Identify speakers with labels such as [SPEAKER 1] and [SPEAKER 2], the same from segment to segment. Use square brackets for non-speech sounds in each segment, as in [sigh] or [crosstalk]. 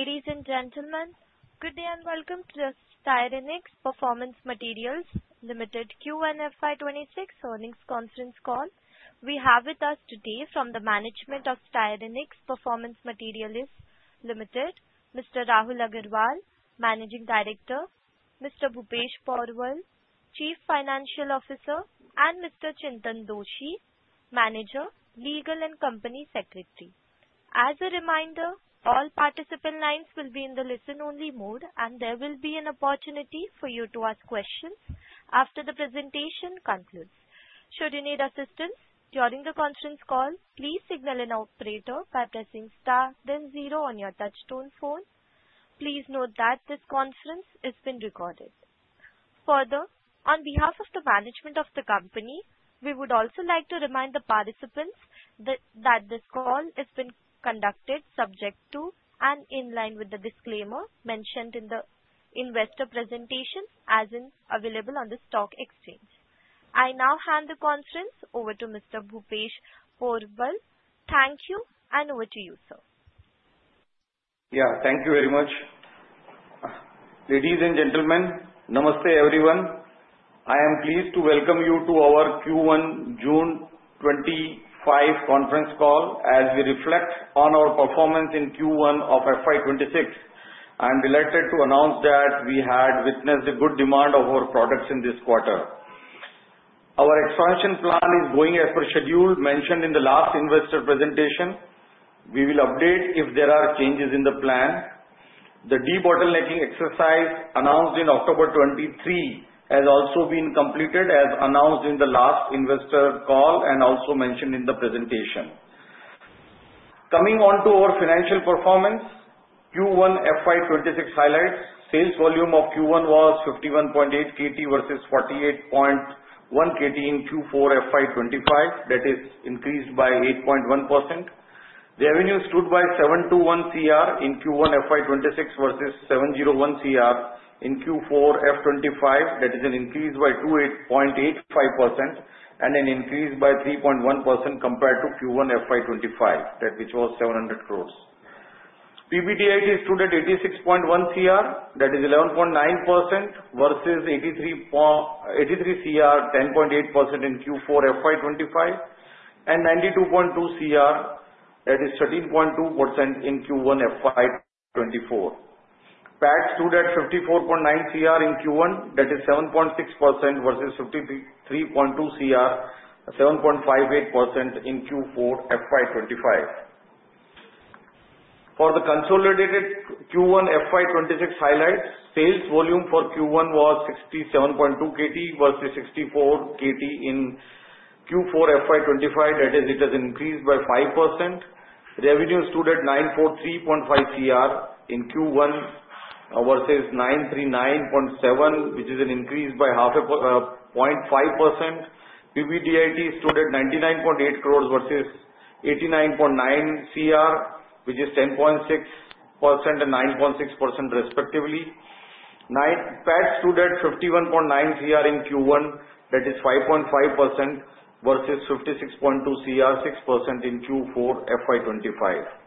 [SPEAKER 1] Ladies and gentlemen, good day and welcome to Styrenix Performance Materials Limited Q1 FY 2026 Earnings Conference Call. We have with us today from the management of Styrenix Performance Materials Limited, Mr. Rahul Agrawal, Managing Director, Mr. Bhupesh Porwal, Chief Financial Officer, and Mr. Chintan Doshi, Manager, Legal, and Company Secretary. As a reminder, all participant lines will be in the listen-only mode, and there will be an opportunity for you to ask questions after the presentation concludes. Should you need assistance during the conference call, please signal an operator by pressing star, then zero on your touch-tone phone. Please note that this conference is being recorded. Further, on behalf of the management of the company, we would also like to remind the participants that this call is being conducted subject to and in line with the disclaimer mentioned in the investor presentation, as is available on the stock exchange. I now hand the conference over to Mr. Bhupesh Porwal. Thank you, and over to you, sir.
[SPEAKER 2] Yeah, thank you very much. Ladies and gentlemen, Namaste everyone. I am pleased to welcome you to our Q1 June 2025 Conference Call as we reflect on our performance in Q1 of FY 2026. I am delighted to announce that we had witnessed a good demand of our products in this quarter. Our expansion plan is going as per schedule mentioned in the last investor presentation. We will update if there are changes in the plan. The debottlenecking exercise announced in October 2023 has also been completed, as announced in the last Investor Call and also mentioned in the presentation. Coming on to our financial performance, Q1 FY 2026 highlights: Sales volume of Q1 was 51.8 KT versus 48.1 KT in Q4 FY 2025, that is increased by 8.1%. Revenues stood by 721 CR in Q1 FY 2026 versus 701 CR in Q4 FY 2025, that is an increase by 28.85% and an increase by 3.1% compared to Q1 FY 2025, that which was INR 700. PBIT stood at 86.1 CR, that is 11.9% versus 83 CR, 10.8% in Q4 FY 2025, and 92.2 CR, that is 13.2% in Q1 FY 2024. PAT stood at 54.9 CR in Q1, that is 7.6% versus 53.2 CR, 7.58% in Q4 FY 2025. For the consolidated Q1 FY 2026 highlights, sales volume for Q1 was 67.2 KT versus 64 KT in Q4 FY 2025, that is it has increased by 5%. Revenues stood at 943.5 CR in Q1 versus 939.7, which is an increase by 0.5%. PBIT stood at 99.8 versus 89.9 CR, which is 10.6% and 9.6% respectively. PAT stood at 51.9 CR in Q1, that is 5.5% versus 56.2 CR, 6% in Q4 FY 2025.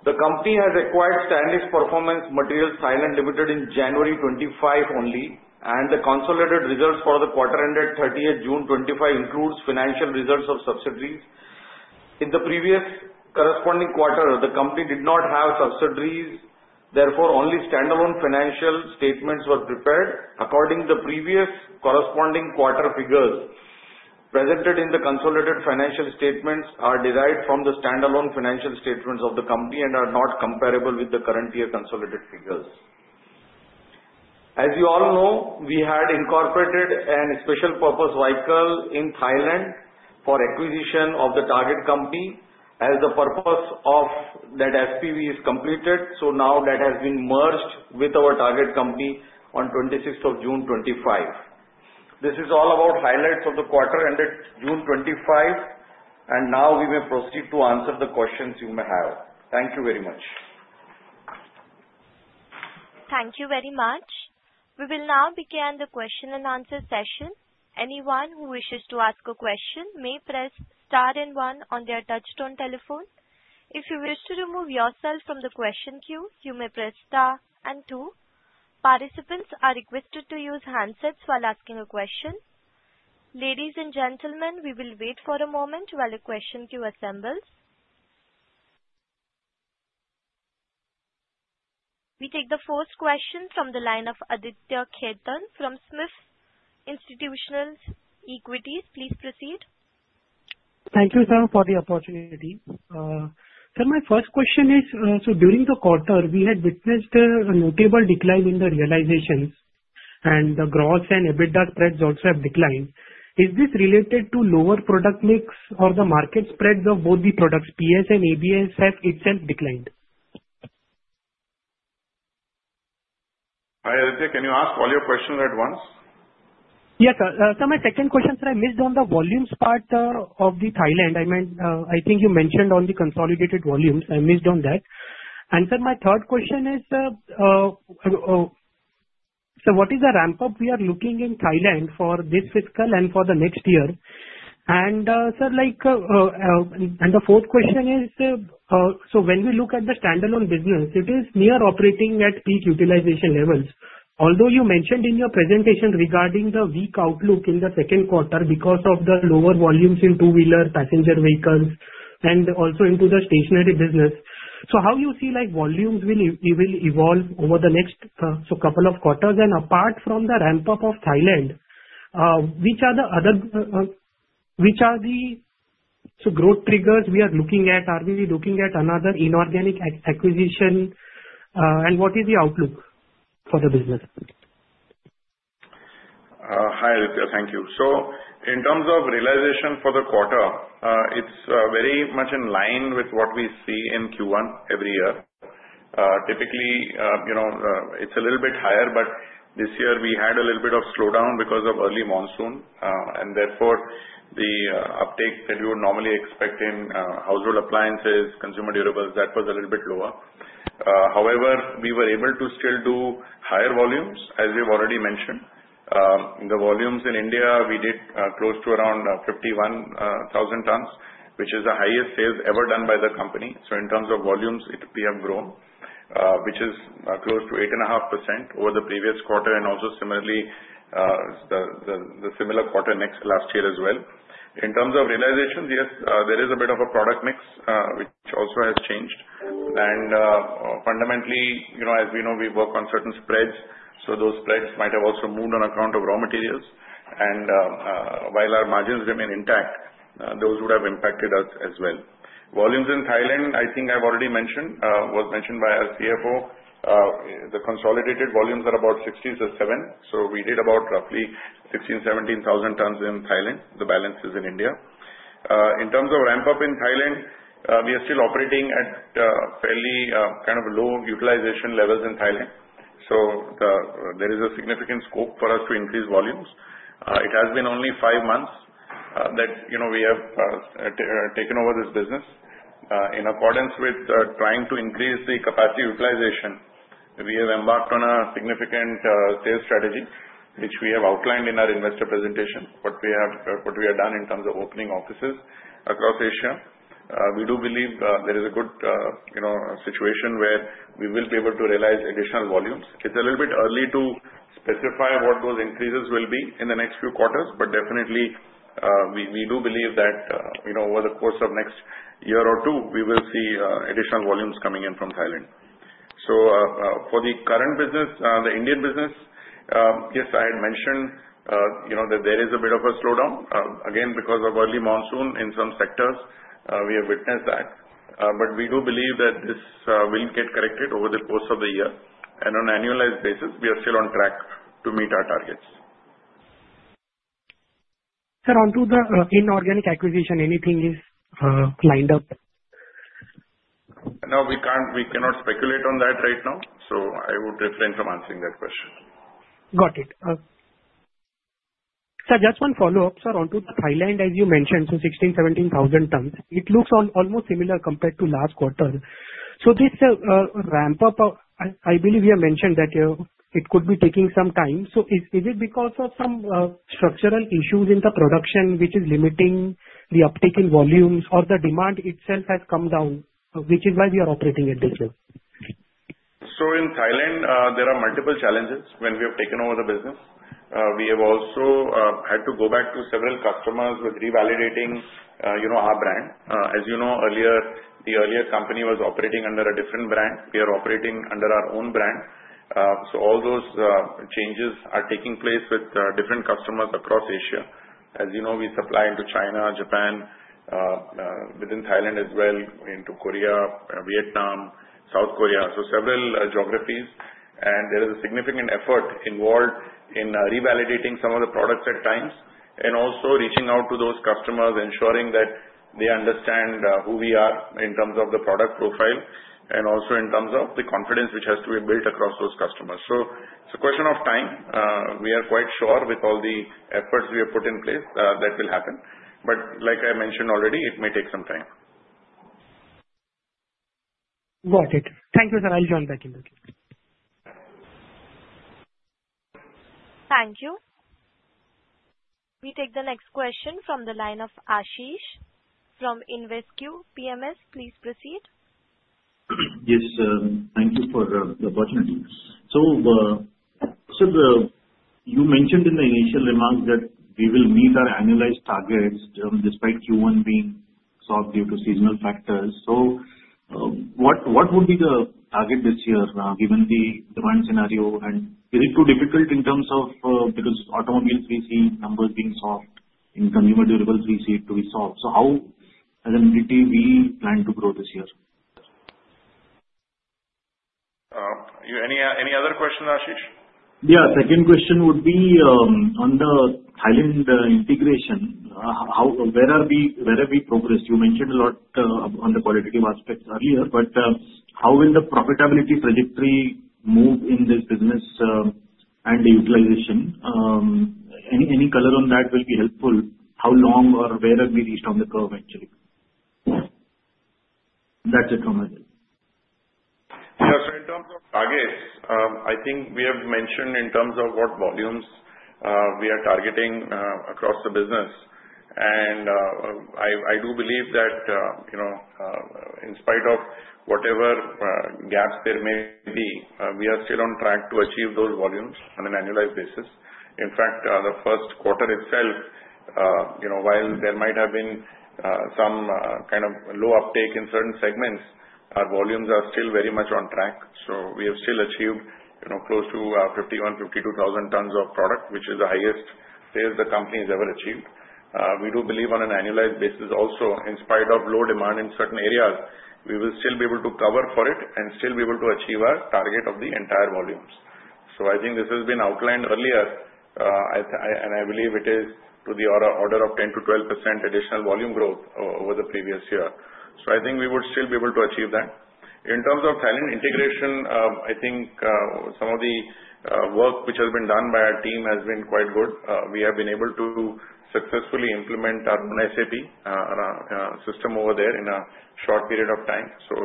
[SPEAKER 2] The company has acquired Styrenix Performance Materials Thailand Limited in January 2025 only, and the consolidated results for the quarter ended 30 June 2025 include financial results of subsidiaries. In the previous corresponding quarter, the company did not have subsidiaries. Therefore, only standalone financial statements were prepared. According to the previous corresponding quarter figures presented in the consolidated financial statements are derived from the standalone financial statements of the company and are not comparable with the current year consolidated figures. As you all know, we had incorporated a special purpose vehicle in Thailand for acquisition of the target company as the purpose of that SPV is completed. So now that has been merged with our target company on 26 June 2025. This is all about highlights of the quarter ended June 2025, and now we may proceed to answer the questions you may have. Thank you very much.
[SPEAKER 1] Thank you very much. We will now begin the question and answer session. Anyone who wishes to ask a question may press star and one on their touch-tone telephone. If you wish to remove yourself from the question queue, you may press star and two. Participants are requested to use handsets while asking a question. Ladies and gentlemen, we will wait for a moment while the question queue assembles. We take the first question from the line of Aditya Khetan from SMIFS Institutional Equities. Please proceed.
[SPEAKER 3] Thank you, sir, for the opportunity. Sir, my first question is, so during the quarter, we had witnessed a notable decline in the realizations, and the gross and EBITDA spreads also have declined. Is this related to lower product mix or the market spreads of both the products PS and ABS have itself declined?
[SPEAKER 4] Hi, Aditya, can you ask all your questions at once?
[SPEAKER 3] Yes, sir. Sir, my second question, sir, I missed on the volumes part of the Thailand. I meant, I think you mentioned only consolidated volumes. I missed on that, and sir, my third question is, sir, what is the ramp-up we are looking in Thailand for this fiscal and for the next year? And sir, like and the fourth question is, sir, so when we look at the standalone business, it is near operating at peak utilization levels. Although you mentioned in your presentation regarding the weak outlook in the Q2 because of the lower volumes in two-wheeler, passenger vehicles, and also into the stationery business. So how do you see like volumes will evolve over the next couple of quarters? And apart from the ramp-up of Thailand, which are the growth triggers we are looking at? Are we looking at another inorganic acquisition? What is the outlook for the business?
[SPEAKER 4] Hi, Aditya, thank you. So in terms of realization for the quarter, it's very much in line with what we see in Q1 every year. Typically, it's a little bit higher, but this year we had a little bit of slowdown because of early monsoon, and therefore the uptake that you would normally expect in household appliances, consumer durables, that was a little bit lower. However, we were able to still do higher volumes, as we've already mentioned. The volumes in India, we did close to around 51,000 tons, which is the highest sales ever done by the company. So in terms of volumes, we have grown, which is close to 8.5% over the previous quarter and also similarly the similar quarter next last year as well. In terms of realizations, yes, there is a bit of a product mix, which also has changed. Fundamentally, as we know, we work on certain spreads, so those spreads might have also moved on account of raw materials. While our margins remain intact, those would have impacted us as well. Volumes in Thailand, I think I've already mentioned, was mentioned by our CFO. The consolidated volumes are about 16-7. So we did about roughly 16,000-17,000 tons in Thailand, the balance is in India. In terms of ramp-up in Thailand, we are still operating at fairly kind of low utilization levels in Thailand. There is a significant scope for us to increase volumes. It has been only five months that we have taken over this business. In accordance with trying to increase the capacity utilization, we have embarked on a significant sales strategy, which we have outlined in our investor presentation, what we have done in terms of opening offices across Asia. We do believe there is a good situation where we will be able to realize additional volumes. It's a little bit early to specify what those increases will be in the next few quarters, but definitely we do believe that in over the course of next year or two, we will see additional volumes coming in from Thailand. So for the current business, the Indian business, yes, I had mentioned that there is a bit of a slowdown. Again, because of early monsoon in some sectors, we have witnessed that. But we do believe that this will get corrected over the course of the year. On an annualized basis, we are still on track to meet our targets.
[SPEAKER 3] Sir, onto the inorganic acquisition, anything is lined up?
[SPEAKER 4] No, we cannot speculate on that right now. So I would refrain from answering that question.
[SPEAKER 3] Got it. Sir, just one follow-up, sir. Onto Thailand, as you mentioned, so 16,000-17,000 tons, it looks almost similar compared to last quarter. So this ramp-up, I believe you have mentioned that it could be taking some time. So is it because of some structural issues in the production, which is limiting the uptake in volumes, or the demand itself has come down, which is why we are operating at this rate?
[SPEAKER 4] In Thailand, there are multiple challenges when we have taken over the business. We have also had to go back to several customers with revalidating our brand. As you know, the earlier company was operating under a different brand. We are operating under our own brand. All those changes are taking place with different customers across Asia. As you know, we supply into China, Japan, within Thailand as well, into Korea, Vietnam, South Korea, so several geographies. There is a significant effort involved in revalidating some of the products at times, and also reaching out to those customers, ensuring that they understand who we are in terms of the product profile, and also in terms of the confidence which has to be built across those customers. It's a question of time. We are quite sure with all the efforts we have put in place that will happen. But like I mentioned already, it may take some time.
[SPEAKER 3] Got it. Thank you, sir. I'll join back in.
[SPEAKER 1] Thank you. We take the next question from the line of Aashish from InvesQ PMS. Please proceed.
[SPEAKER 5] Yes, thank you for the opportunity. So you mentioned in the initial remarks that we will meet our annualized targets despite Q1 being soft due to seasonal factors. So what would be the target this year given the demand scenario? And is it too difficult in terms of because automobile 3C numbers being soft in consumer durable 3C to be soft? So how do we plan to grow this year?
[SPEAKER 4] Any other questions, Aashish?
[SPEAKER 5] Yeah, second question would be on the Thailand integration. Where have we progressed? You mentioned a lot on the qualitative aspects earlier, but how will the profitability trajectory move in this business and the utilization? Any color on that will be helpful? How long or where have we reached on the curve actually? And that's it from my side.
[SPEAKER 4] Yes, so in terms of targets, I think we have mentioned in terms of what volumes we are targeting across the business. And I do believe that in spite of whatever gaps there may be, we are still on track to achieve those volumes on an annualized basis. In fact, the Q1 itself, while there might have been some kind of low uptake in certain segments, our volumes are still very much on track. So we have still achieved close to 51,000-52,000 tons of product, which is the highest sales the company has ever achieved. We do believe on an annualized basis also, in spite of low demand in certain areas, we will still be able to cover for it and still be able to achieve our target of the entire volumes. So I think this has been outlined earlier, and I believe it is to the order of 10% to 12% additional volume growth over the previous year. So I think we would still be able to achieve that. In terms of Thailand integration, I think some of the work which has been done by our team has been quite good. We have been able to successfully implement our own SAP system over there in a short period of time. So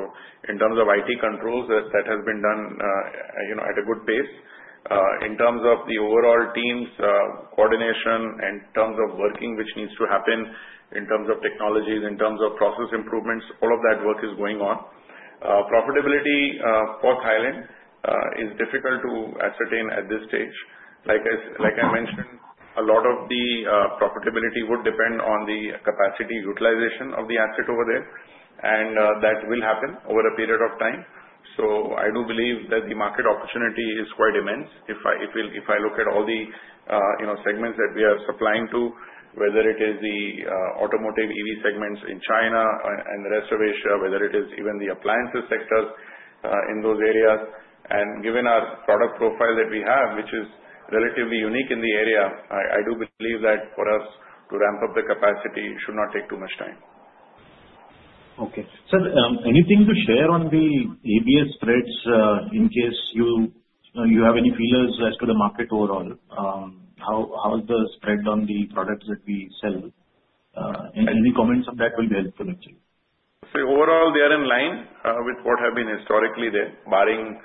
[SPEAKER 4] in terms of IT controls, that has been done at a good pace. In terms of the overall teams coordination and terms of working which needs to happen in terms of technologies, in terms of process improvements, all of that work is going on. Profitability for Thailand is difficult to ascertain at this stage. Like I mentioned, a lot of the profitability would depend on the capacity utilization of the asset over there, and that will happen over a period of time, so I do believe that the market opportunity is quite immense, if I look at all the segments that we are supplying to, whether it is the automotive EV segments in China and the rest of Asia, whether it is even the appliances sectors in those areas, and given our product profile that we have, which is relatively unique in the area, I do believe that for us to ramp up the capacity should not take too much time.
[SPEAKER 5] Okay. Sir, anything to share on the ABS spreads in case you have any feelers as to the market overall? How is the spread on the products that we sell? Any comments on that will be helpful actually.
[SPEAKER 4] So overall, they are in line with what has been historically there, barring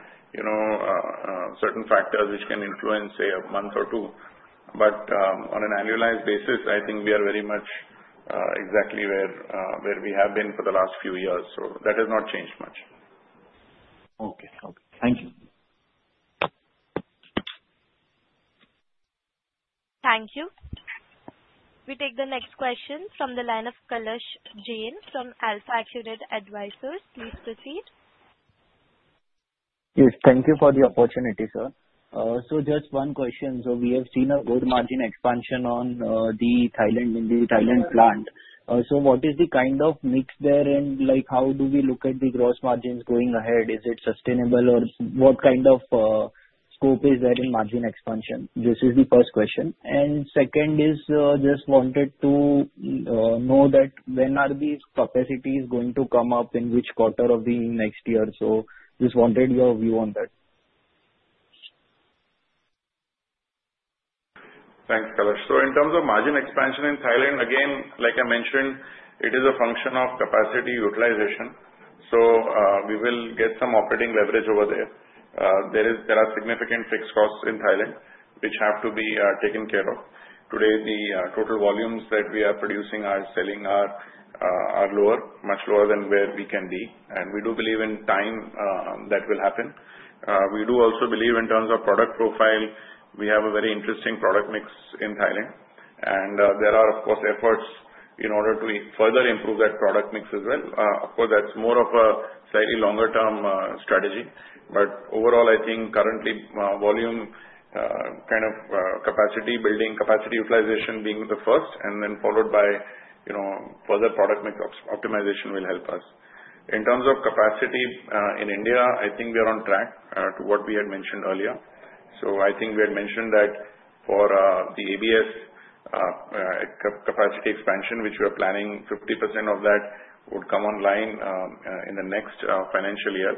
[SPEAKER 4] certain factors which can influence a month or two. But on an annualized basis, I think we are very much exactly where we have been for the last few years. So that has not changed much.
[SPEAKER 5] Okay. Okay. Thank you.
[SPEAKER 6] Thank you. We take the next question from the line of Kalash Jain from AlfAccurate Advisors. Please proceed. Yes, thank you for the opportunity, sir. So just one question. So we have seen a good margin expansion on the Thailand plant. So what is the kind of mix there and how do we look at the gross margins going ahead? Is it sustainable or what kind of scope is there in margin expansion? This is the first question. And second is just wanted to know that when are these capacities going to come up in which quarter of the next year? So just wanted your view on that.
[SPEAKER 4] Thanks, Kalash. So in terms of margin expansion in Thailand, again, like I mentioned, it is a function of capacity utilization. So we will get some operating leverage over there. There are significant fixed costs in Thailand which have to be taken care of. Today, the total volumes that we are producing and selling are lower, much lower than where we can be. And we do believe in time that will happen. We do also believe in terms of product profile, we have a very interesting product mix in Thailand. And there are, of course, efforts in order to further improve that product mix as well. Of course, that's more of a slightly longer-term strategy. But overall, I think currently volume kind of capacity building, capacity utilization being the first, and then followed by further product mix optimization will help us. In terms of capacity in India, I think we are on track to what we had mentioned earlier. So I think we had mentioned that for the ABS capacity expansion, which we are planning, 50% of that would come online in the next financial year,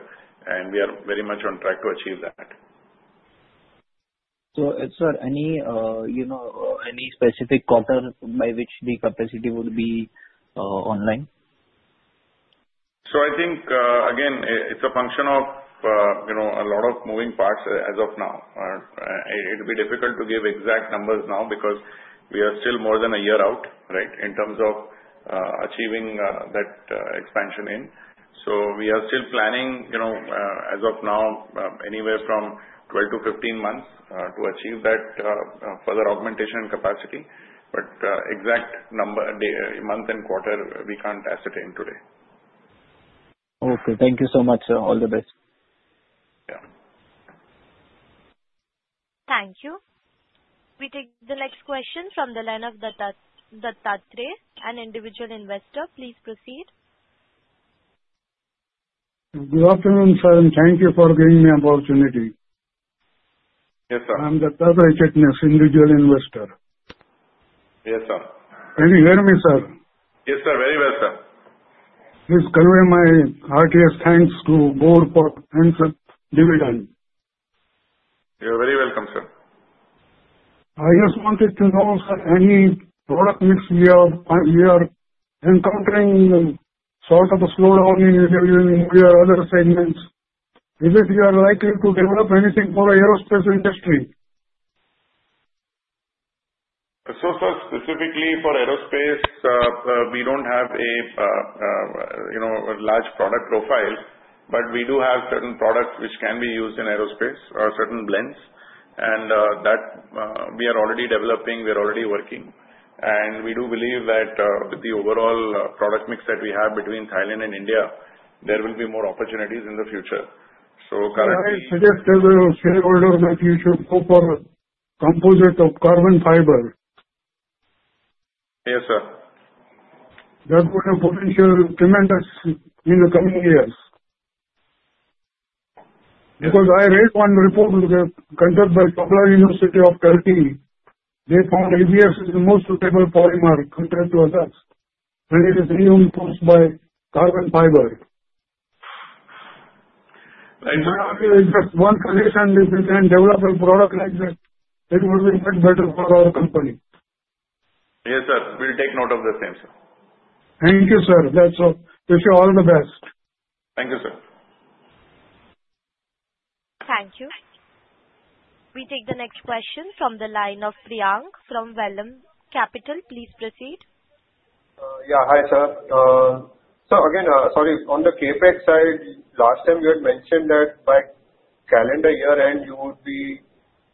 [SPEAKER 4] and we are very much on track to achieve that. Sir, any specific quarter by which the capacity would be online?
[SPEAKER 6] So I think, again, it's a function of a lot of moving parts as of now. It will be difficult to give exact numbers now because we are still more than a year out, right, in terms of achieving that expansion in. So we are still planning as of now, anywhere from 12 to 15 months to achieve that further augmentation capacity. But exact number, month and quarter, we can't ascertain today. Okay. Thank you so much, sir. All the best.
[SPEAKER 4] Yeah.
[SPEAKER 1] Thank you. We take the next question from the line of Dattatreya, an individual investor. Please proceed. Good afternoon, sir, and thank you for giving me an opportunity.
[SPEAKER 4] Yes, sir. I'm Dattatreya, individual investor. Yes, sir. Can you hear me, sir? Yes, sir. Very well, sir. Please convey my heartiest thanks to both, and some dividend. You're very welcome, sir. I just wanted to know, sir, any product mix we are encountering sort of a slowdown in other segments. Is it you are likely to develop anything for the aerospace industry? So, sir, specifically for aerospace, we don't have a large product profile, but we do have certain products which can be used in aerospace, certain blends. And that we are already developing, we are already working. And we do believe that with the overall product mix that we have between Thailand and India, there will be more opportunities in the future. So, currently. I suggest to the shareholders that you should go for a composite of carbon fiber. Yes, sir. That would have potential tremendous in the coming years. Because I read one report conducted by Chopla University of Kalki. They found ABS is the most suitable polymer compared to others and it is reinforced by carbon fiber. If there is just one condition, if we can develop a product like that, it would be much better for our company. Yes, sir. We'll take note of the same, sir. Thank you, sir. That's all. Wish you all the best. Thank you, sir.
[SPEAKER 1] Thank you. We take the next question from the line of Priyank from Vallum Capital. Please proceed.
[SPEAKER 7] Yeah. Hi, sir. So again, sorry, on the CapEx side, last time you had mentioned that by calendar year-end, you would be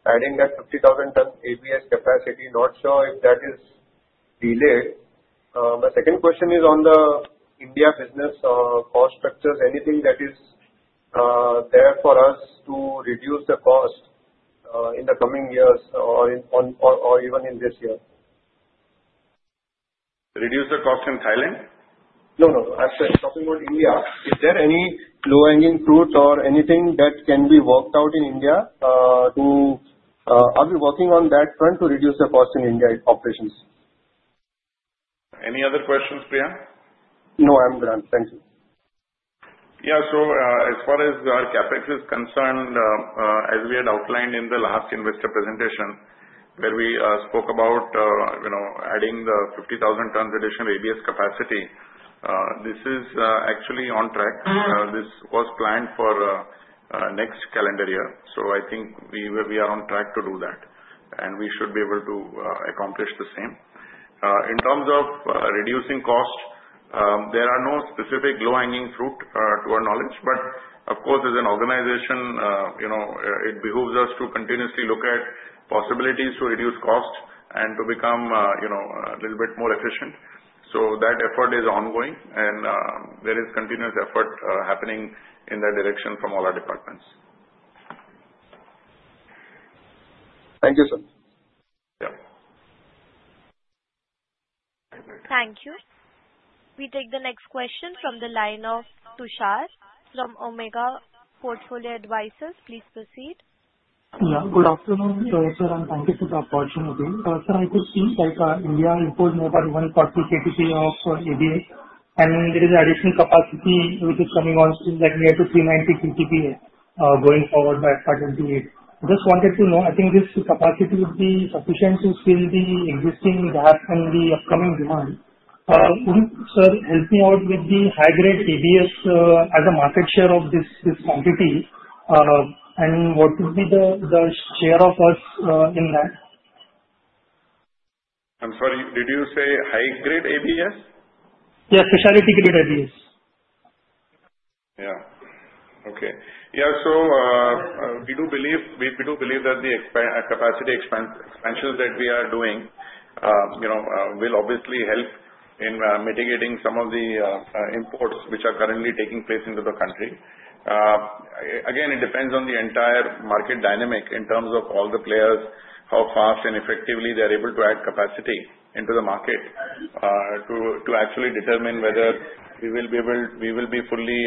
[SPEAKER 7] adding that 50,000 tons ABS capacity. Not sure if that is delayed. My second question is on the India business cost structures. Anything that is there for us to reduce the cost in the coming years or even in this year?
[SPEAKER 4] Reduce the cost in Thailand?
[SPEAKER 7] No, no. I'm talking about India. Is there any low-hanging fruit or anything that can be worked out in India too? Are we working on that front to reduce the cost in India operations?
[SPEAKER 4] Any other questions, Priyank?
[SPEAKER 8] No, I'm grand. Thank you.
[SPEAKER 4] Yeah. So as far as our CapEx is concerned, as we had outlined in the last investor presentation where we spoke about adding the 50,000 tons additional ABS capacity, this is actually on track. This was planned for next calendar year. So I think we are on track to do that. And we should be able to accomplish the same. In terms of reducing cost, there are no specific low-hanging fruit to our knowledge. But of course, as an organization, it behooves us to continuously look at possibilities to reduce cost and to become a little bit more efficient. So that effort is ongoing. And there is continuous effort happening in that direction from all our departments.
[SPEAKER 7] Thank you, sir.
[SPEAKER 4] Yeah.
[SPEAKER 1] Thank you. We take the next question from the line of Tushar from Omega Portfolio Advisors. Please proceed.
[SPEAKER 9] Yeah. Good afternoon, sir. And thank you for the opportunity. Sir, I could see India imposed nearly 140 KTPA of ABS. And there is additional capacity which is coming on stream like nearly 390 KTPA going forward by 2028. Just wanted to know, I think this capacity would be sufficient to fill the existing gap and the upcoming demand. Would you, sir, help me out with the high-grade ABS as a market share of this quantity? And what would be the share of us in that?
[SPEAKER 4] I'm sorry. Did you say high-grade ABS?
[SPEAKER 9] Yeah, specialty-grade ABS.
[SPEAKER 4] Yeah. Okay. Yeah. So we do believe that the capacity expansions that we are doing will obviously help in mitigating some of the imports which are currently taking place into the country. Again, it depends on the entire market dynamic in terms of all the players, how fast and effectively they are able to add capacity into the market to actually determine whether we will be able, we will be fully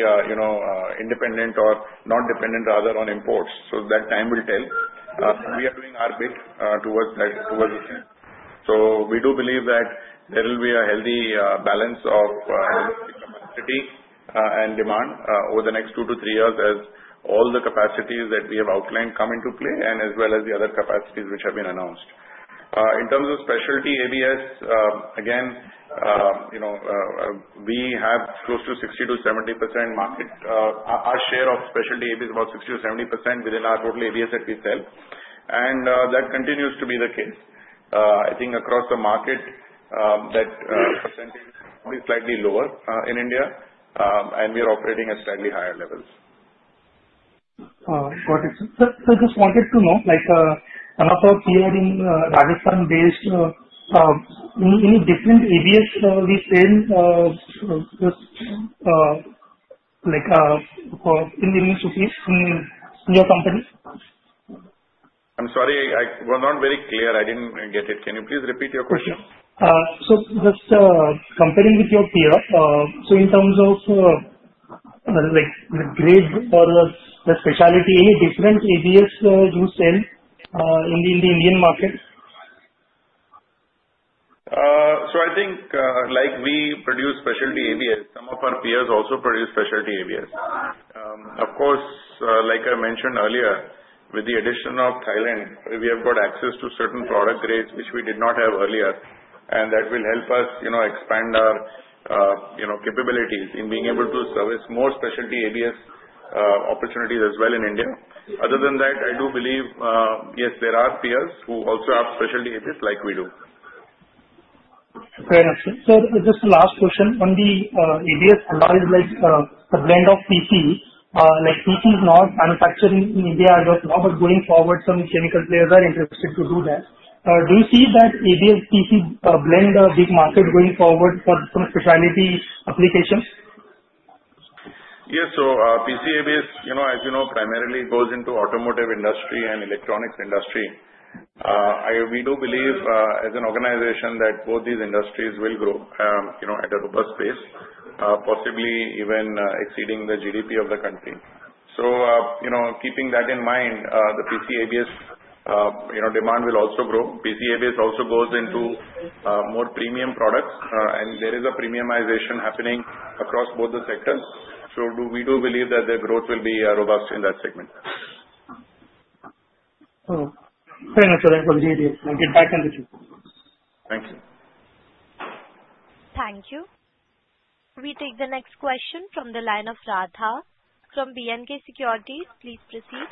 [SPEAKER 4] independent or not dependent rather on imports. So that time will tell. We are doing our bit towards the same. So we do believe that there will be a healthy balance of capacity and demand over the next two to three years as all the capacities that we have outlined come into play and as well as the other capacities which have been announced. In terms of specialty ABS, again, we have close to 60% to 70% market. Our share of specialty ABS is about 60% to 70% within our total ABS that we sell. And that continues to be the case. I think across the market, that percentage will be slightly lower in India. And we are operating at slightly higher levels.
[SPEAKER 9] Got it. Sir, just wanted to know, one of our peers in Rajasthan-based, any different ABS we sell in the US in your company?
[SPEAKER 4] I'm sorry, I was not very clear. I didn't get it. Can you please repeat your question?
[SPEAKER 9] Just comparing with your PR, so in terms of the grade or the specialty, any different ABS you sell in the Indian market?
[SPEAKER 4] I think like we produce specialty ABS, some of our peers also produce specialty ABS. Of course, like I mentioned earlier, with the addition of Thailand, we have got access to certain product grades which we did not have earlier. That will help us expand our capabilities in being able to service more specialty ABS opportunities as well in India. Other than that, I do believe, yes, there are peers who also have specialty ABS like we do.
[SPEAKER 9] Fair enough. Sir, just the last question. When the ABS provides the blend of PC, like PC is not manufacturing in India as of now, but going forward, some chemical players are interested to do that. Do you see that ABS PC blend a big market going forward for some specialty applications?
[SPEAKER 4] Yes. So PC ABS, as you know, primarily goes into automotive industry and electronics industry. We do believe as an organization that both these industries will grow at a robust pace, possibly even exceeding the GDP of the country. So keeping that in mind, the PC ABS demand will also grow. PC ABS also goes into more premium products. And there is a premiumization happening across both the sectors. So we do believe that the growth will be robust in that segment.
[SPEAKER 9] Fair enough. Thank you. We'll get back on the team.
[SPEAKER 4] Thank you.
[SPEAKER 1] Thank you. We take the next question from the line of Radha from B&K Securities. Please proceed.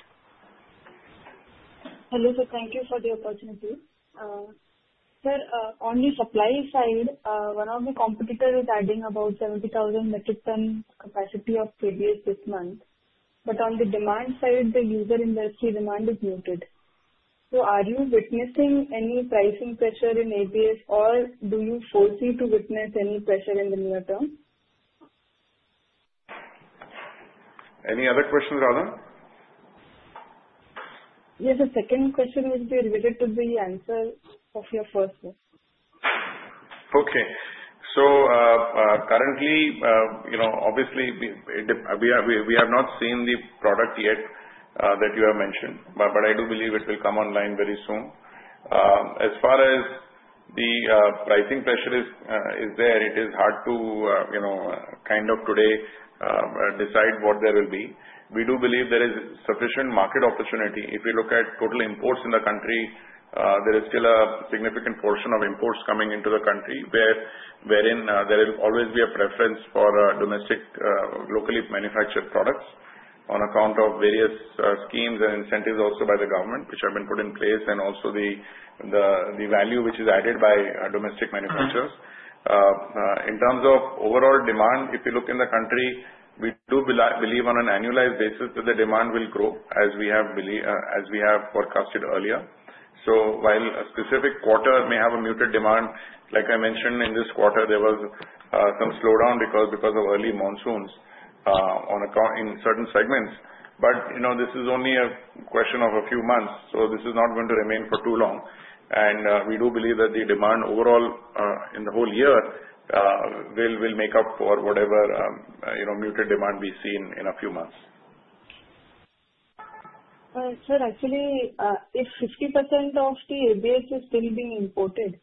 [SPEAKER 10] Hello, sir. Thank you for the opportunity. Sir, on the supply side, one of the competitors is adding about 70,000 metric tons capacity of ABS this month. But on the demand side, the user industry demand is muted. So are you witnessing any pricing pressure in ABS, or do you foresee to witness any pressure in the near term?
[SPEAKER 4] Any other questions, Radha?
[SPEAKER 11] Yes. The second question is related to the answer of your first one.
[SPEAKER 4] Okay. So currently, obviously, we have not seen the product yet that you have mentioned. But I do believe it will come online very soon. As far as the pricing pressure is there, it is hard to kind of today decide what there will be. We do believe there is sufficient market opportunity. If you look at total imports in the country, there is still a significant portion of imports coming into the country wherein there will always be a preference for domestic locally manufactured products on account of various schemes and incentives also by the government which have been put in place and also the value which is added by domestic manufacturers. In terms of overall demand, if you look in the country, we do believe on an annualized basis that the demand will grow as we have forecasted earlier. So while a specific quarter may have a muted demand, like I mentioned in this quarter, there was some slowdown because of early monsoons in certain segments. But this is only a question of a few months. So this is not going to remain for too long. And we do believe that the demand overall in the whole year will make up for whatever muted demand we see in a few months.
[SPEAKER 10] Sir, actually, if 50% of the ABS is still being imported,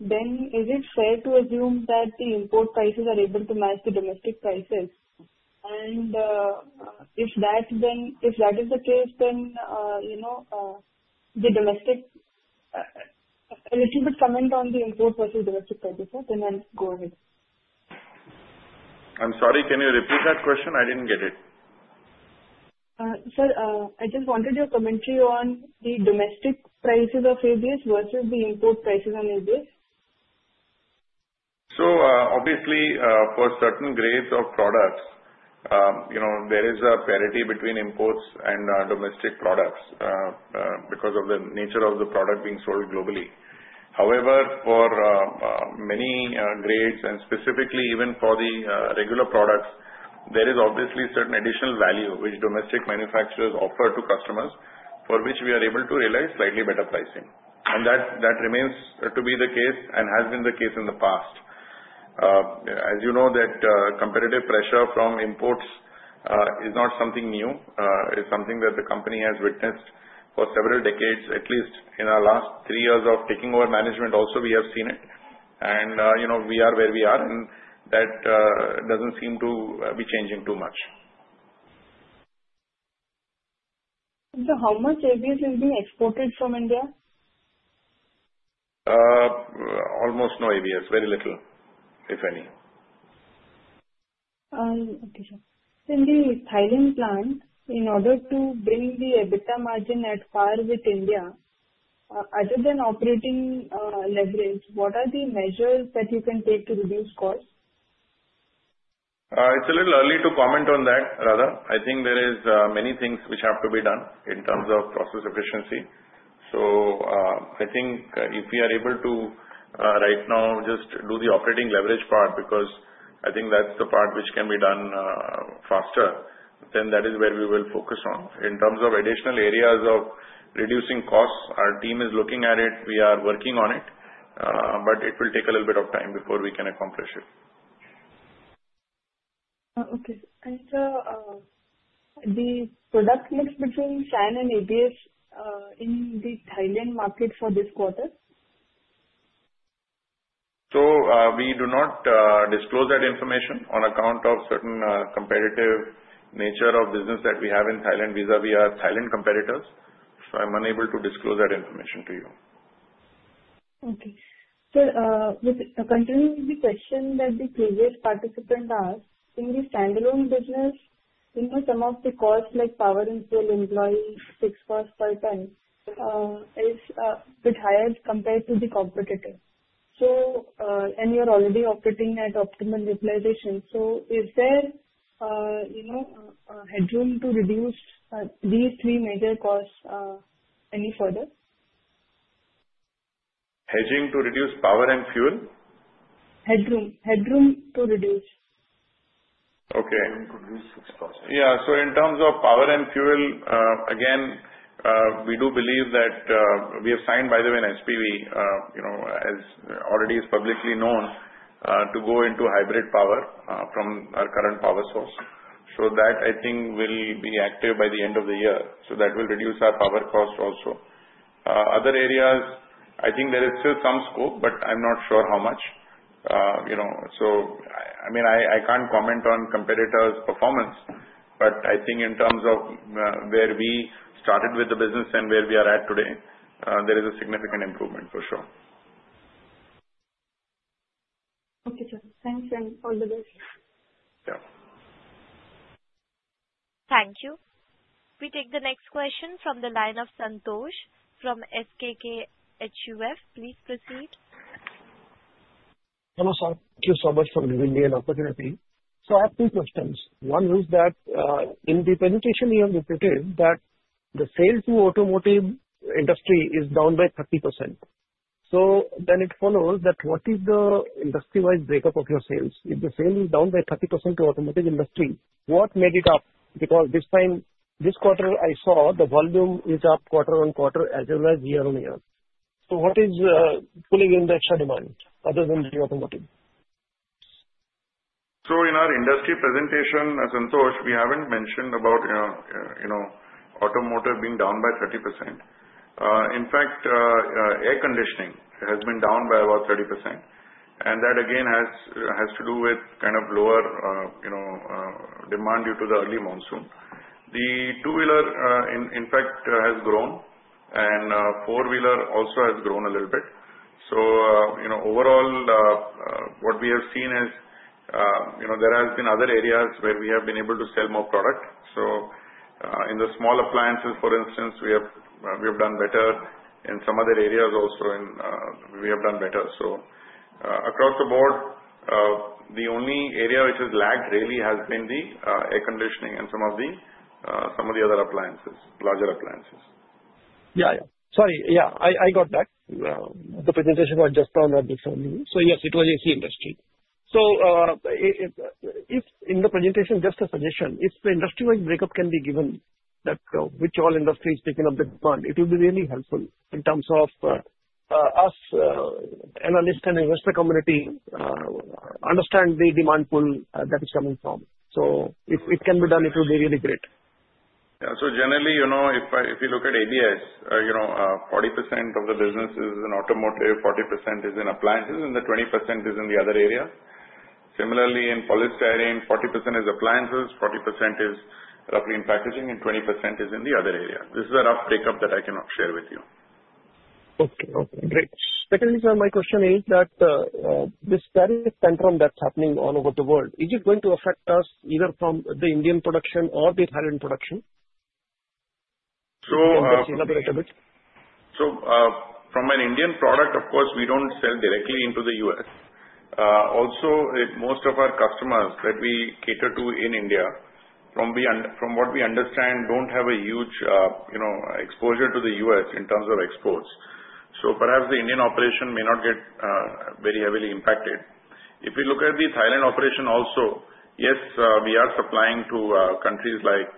[SPEAKER 10] then is it fair to assume that the import prices are able to match the domestic prices? And if that is the case, then the domestic, a little bit, comment on the import versus domestic prices, sir. Then I'll go ahead.
[SPEAKER 4] I'm sorry. Can you repeat that question? I didn't get it.
[SPEAKER 10] Sir, I just wanted your commentary on the domestic prices of ABS versus the import prices on ABS.
[SPEAKER 4] So obviously, for certain grades of products, there is a parity between imports and domestic products because of the nature of the product being sold globally. However, for many grades, and specifically even for the regular products, there is obviously certain additional value which domestic manufacturers offer to customers for which we are able to realize slightly better pricing. And that remains to be the case and has been the case in the past. As you know, that competitive pressure from imports is not something new. It's something that the company has witnessed for several decades, at least in our last three years of taking over management. Also, we have seen it. And we are where we are. And that doesn't seem to be changing too much.
[SPEAKER 10] So how much ABS is being exported from India?
[SPEAKER 4] Almost no ABS. Very little, if any.
[SPEAKER 10] Okay. Sir, in the Thailand plant, in order to bring the EBITDA margin at par with India, other than operating leverage, what are the measures that you can take to reduce costs?
[SPEAKER 4] It's a little early to comment on that, Radha. I think there are many things which have to be done in terms of process efficiency. So I think if we are able to right now just do the operating leverage part because I think that's the part which can be done faster, then that is where we will focus on. In terms of additional areas of reducing costs, our team is looking at it. We are working on it. But it will take a little bit of time before we can accomplish it. Okay. And the product mix between SAN and ABS in the Thailand market for this quarter? So we do not disclose that information on account of certain competitive nature of business that we have in Thailand vis-à-vis our Thailand competitors. So I'm unable to disclose that information to you.
[SPEAKER 10] Okay. Sir, continuing the question that the previous participant asked, in the standalone business, some of the costs like power and fuel, employees, fixed cost per ton is a bit higher compared to the competitor. And you're already operating at optimal utilization. So is there headroom to reduce these three major costs any further?
[SPEAKER 4] Hedging to reduce power and fuel?
[SPEAKER 10] Headroom. Headroom to reduce.
[SPEAKER 4] Okay.
[SPEAKER 2] [crosstalk] Headroom to reduce fixed costs.
[SPEAKER 4] Yeah. So in terms of power and fuel, again, we do believe that we have signed, by the way, an SPV, as already is publicly known, to go into hybrid power from our current power source. So that, I think, will be active by the end of the year. So that will reduce our power cost also. Other areas, I think there is still some scope, but I'm not sure how much. So I mean, I can't comment on competitors' performance. But I think in terms of where we started with the business and where we are at today, there is a significant improvement for sure.
[SPEAKER 3] Okay. Thanks, sir. All the best.
[SPEAKER 4] Yeah.
[SPEAKER 1] Thank you. We take the next question from the line of Santosh from SKK HUF. Please proceed.
[SPEAKER 12] Hello, sir. Thank you so much for giving me an opportunity. So I have two questions. One is that in the presentation you have reported that the sales to automotive industry is down by 30%. So then it follows that what is the industry-wide breakup of your sales? If the sales is down by 30% to the automotive industry, what made it up? Because this quarter, I saw the volume is up quarter-on-quarter as well as year on year. So what is pulling in the extra demand other than the automotive?
[SPEAKER 4] So in our industry presentation, Santosh, we haven't mentioned about automotive being down by 30%. In fact, air conditioning has been down by about 30%. And that, again, has to do with kind of lower demand due to the early monsoon. The two-wheeler, in fact, has grown. And four-wheeler also has grown a little bit. So overall, what we have seen is there have been other areas where we have been able to sell more product. So in the small appliances, for instance, we have done better. In some other areas also, we have done better. So across the board, the only area which has lagged really has been the air conditioning and some of the other larger appliances.
[SPEAKER 12] Yeah. Sorry. Yeah, I got that. The presentation was just on that before. So yes, it was AC industry. So in the presentation, just a suggestion, if the industry-wide breakup can be given, which all industries taking up the demand, it will be really helpful in terms of us analysts and investor community understand the demand pool that is coming from. So if it can be done, it will be really great.
[SPEAKER 4] Yeah. So generally, if you look at ABS, 40% of the business is in automotive, 40% is in appliances, and the 20% is in the other area. Similarly, in polystyrene, 40% is appliances, 40% is roughly in packaging, and 20% is in the other area. This is a rough breakup that I cannot share with you.
[SPEAKER 12] Okay. Okay. Great. Secondly, sir, my question is that this tariff tantrum that's happening all over the world, is it going to affect us either from the Indian production or the Thailand production?
[SPEAKER 4] So.
[SPEAKER 12] [crosstalk] I'll elaborate a bit.
[SPEAKER 4] So from an Indian product, of course, we don't sell directly into the US Also, most of our customers that we cater to in India, from what we understand, don't have a huge exposure to the US in terms of exports. So perhaps the Indian operation may not get very heavily impacted. If you look at the Thailand operation also, yes, we are supplying to countries like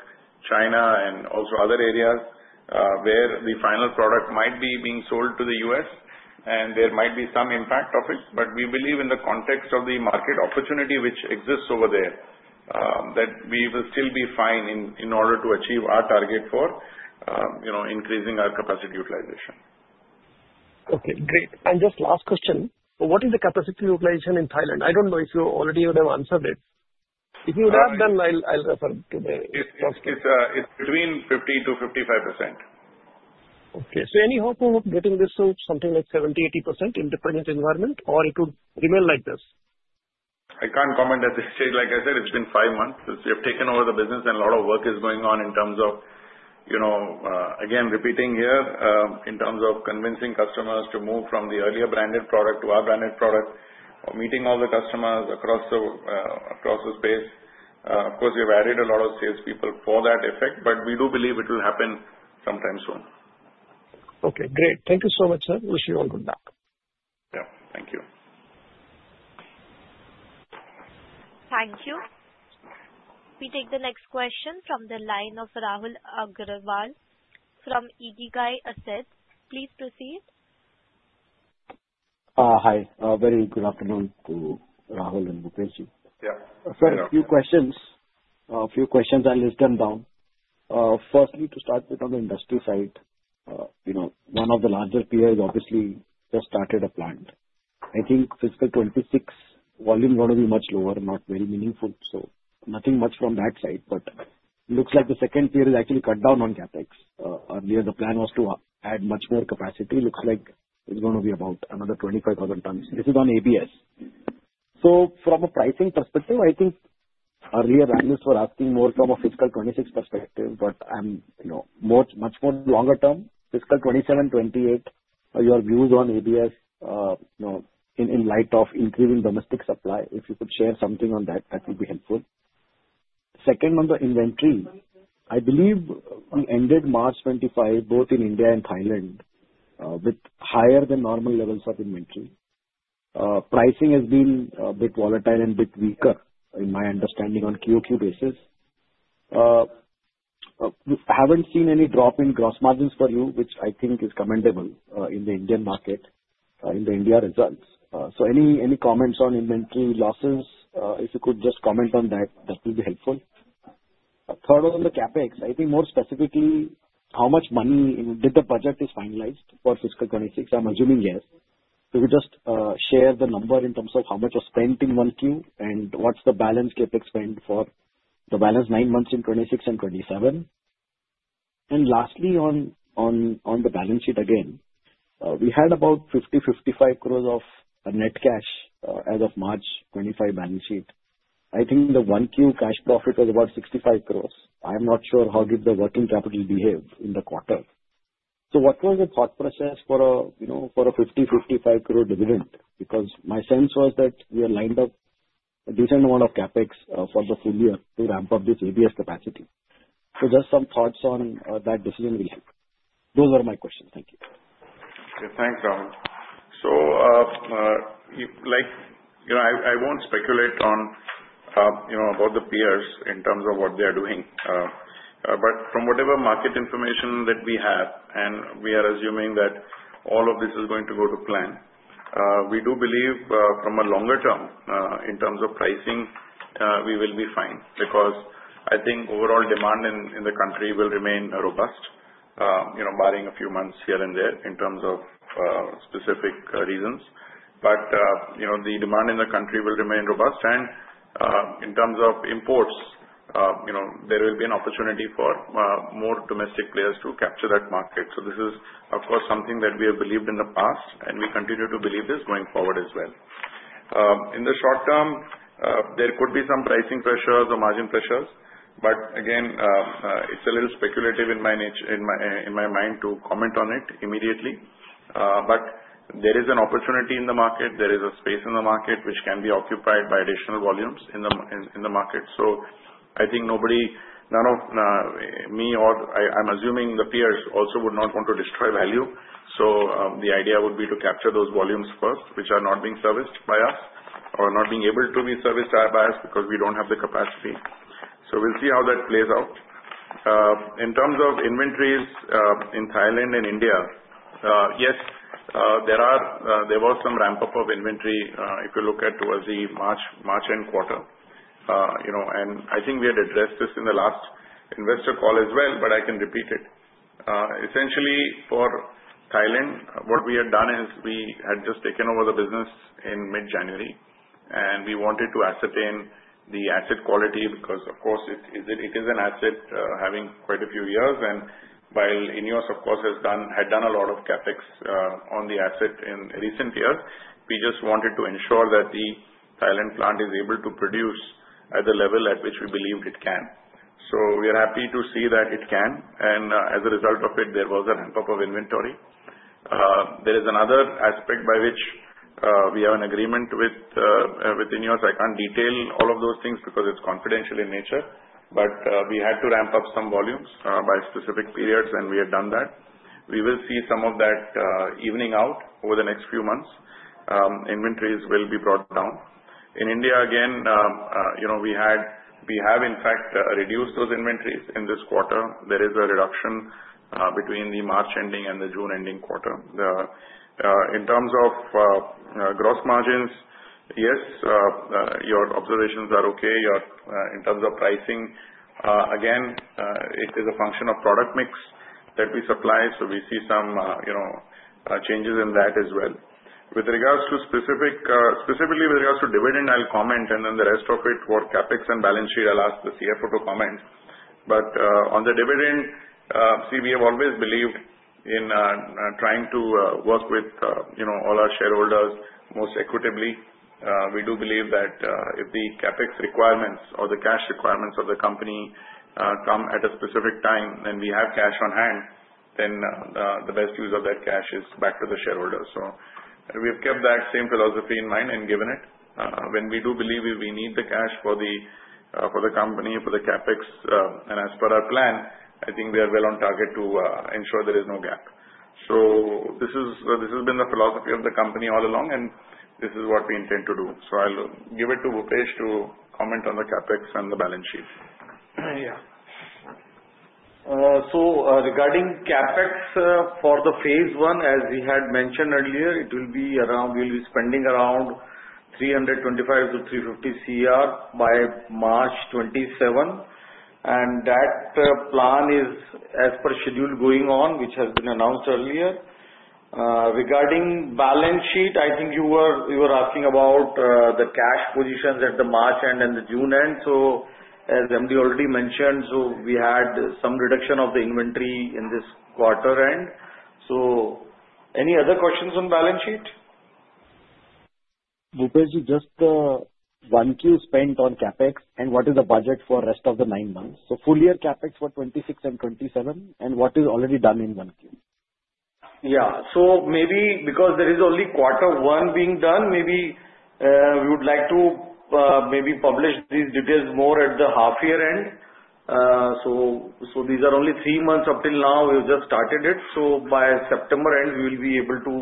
[SPEAKER 4] China and also other areas where the final product might be being sold to the US And there might be some impact of it. But we believe in the context of the market opportunity which exists over there that we will still be fine in order to achieve our target for increasing our capacity utilization.
[SPEAKER 12] Okay. Great. And just last question. What is the capacity utilization in Thailand? I don't know if you already would have answered it. If you would have, then I'll refer to the.
[SPEAKER 4] It's between 50% to 55%.
[SPEAKER 3] Okay. So any hope of getting this to something like 70% to 80% in the present environment, or it would remain like this?
[SPEAKER 4] I can't comment at this stage. Like I said, it's been five months since have taken over the business, and a lot of work is going on in terms of, again, repeating here, in terms of convincing customers to move from the earlier branded product to our branded product, meeting all the customers across the space. Of course, we have added a lot of salespeople for that effect. But we do believe it will happen sometime soon.
[SPEAKER 12] Okay. Great. Thank you so much, sir. Wish you all good luck.
[SPEAKER 4] Yeah. Thank you.
[SPEAKER 1] Thank you. We take the next question from the line of Rahul Agarwal from IKIGAI Asset. Please proceed.
[SPEAKER 13] Hi. Very good afternoon to Rahul and Bhupesh.
[SPEAKER 4] Yeah.
[SPEAKER 13] Sir, a few questions. A few questions. I'll list them down. Firstly, to start with, on the industry side, one of the larger players obviously just started a plant. I think fiscal 2026 volume is going to be much lower, not very meaningful. So nothing much from that side. But it looks like the second tier is actually cut down on CapEx. Earlier, the plan was to add much more capacity. Looks like it's going to be about another 25,000 tons. This is on ABS. So from a pricing perspective, I think earlier analysts were asking more from a fiscal 2026 perspective. But much more longer term, fiscal 2027, 2028, your views on ABS in light of increasing domestic supply, if you could share something on that, that would be helpful. Second, on the inventory, I believe we ended March 25, both in India and Thailand, with higher than normal levels of inventory. Pricing has been a bit volatile and a bit weaker, in my understanding, on QOQ basis. I haven't seen any drop in gross margins for you, which I think is commendable in the Indian market, in the India results. So any comments on inventory losses? If you could just comment on that, that would be helpful. Third, on the CapEx, I think more specifically, how much money did the budget is finalized for fiscal 2026? I'm assuming yes. If you could just share the number in terms of how much was spent in one Q and what's the balance CapEx spent for the balance nine months in 2026 and 2027. Lastly, on the balance sheet again, we had about 50-55 of net cash as of March 25 balance sheet. I think the 1Q cash profit was about 65. I'm not sure how the working capital behaved in the quarter. So what was the thought process for a 50-55 crore dividend? Because my sense was that we had lined up a decent amount of CapEx for the full year to ramp up this ABS capacity. So just some thoughts on that decision will help. Those were my questions. Thank you.
[SPEAKER 4] Okay. Thanks, Rahul. So I won't speculate about the peers in terms of what they are doing. But from whatever market information that we have, and we are assuming that all of this is going to go to plan, we do believe from a longer term, in terms of pricing, we will be fine. Because I think overall demand in the country will remain robust, barring a few months here and there in terms of specific reasons. But the demand in the country will remain robust. And in terms of imports, there will be an opportunity for more domestic players to capture that market. So this is, of course, something that we have believed in the past, and we continue to believe this going forward as well. In the short term, there could be some pricing pressures or margin pressures. But again, it's a little speculative in my mind to comment on it immediately. But there is an opportunity in the market. There is a space in the market which can be occupied by additional volumes in the market. So I think none of me or I'm assuming the peers also would not want to destroy value. So the idea would be to capture those volumes first, which are not being serviced by us or not being able to be serviced by us because we don't have the capacity. So we'll see how that plays out. In terms of inventories in Thailand and India, yes, there was some ramp-up of inventory if you look at towards the March, end quarter. And I think we had addressed this in the last investor call as well, but I can repeat it. Essentially, for Thailand, what we had done is we had just taken over the business in mid-January. And we wanted to ascertain the asset quality because, of course, it is an asset having quite a few years. And while INEOS, of course, had done a lot of CapEx on the asset in recent years, we just wanted to ensure that the Thailand plant is able to produce at the level at which we believed it can. So we are happy to see that it can. And as a result of it, there was a ramp-up of inventory. There is another aspect by which we have an agreement with INEOS. I can't detail all of those things because it's confidential in nature. But we had to ramp up some volumes by specific periods, and we had done that. We will see some of that evening out over the next few months. Inventories will be brought down. In India, again, we have, in fact, reduced those inventories in this quarter. There is a reduction between the March ending and the June ending quarter. In terms of gross margins, yes, your observations are okay. In terms of pricing, again, it is a function of product mix that we supply. So we see some changes in that as well. With regards to [inaudibe]. And then the rest of it, for CapEx and balance sheet, I'll ask the CFO to comment. But on the dividend, see, we have always believed in trying to work with all our shareholders most equitably. We do believe that if the CapEx requirements or the cash requirements of the company come at a specific time and we have cash on hand, then the best use of that cash is back to the shareholders. So we have kept that same philosophy in mind and given it. When we do believe we need the cash for the company, for the CapEx, and as per our plan, I think we are well on target to ensure there is no gap. So this has been the philosophy of the company all along, and this is what we intend to do. So I'll give it to Bhupesh to comment on the CapEx and the balance sheet.
[SPEAKER 2] Yeah. Regarding CapEx for the phase I, as we had mentioned earlier, it will be around. We'll be spending around 325-350 by March 2027. That plan is, as per schedule, going on, which has been announced earlier. Regarding balance sheet, I think you were asking about the cash positions at the March end and the June end. As MD already mentioned, we had some reduction of the inventory in this quarter end. Any other questions on balance sheet?
[SPEAKER 13] Bhupesh, just the Q1 spent on CapEx and what is the budget for rest of the nine months? So full year CapEx for 26 and 27, and what is already done in Q1?
[SPEAKER 2] Yeah. So maybe because there is only Q1 being done, maybe we would like to maybe publish these details more at the half-year end. So these are only three months up till now. We have just started it. So by September end, we will be able to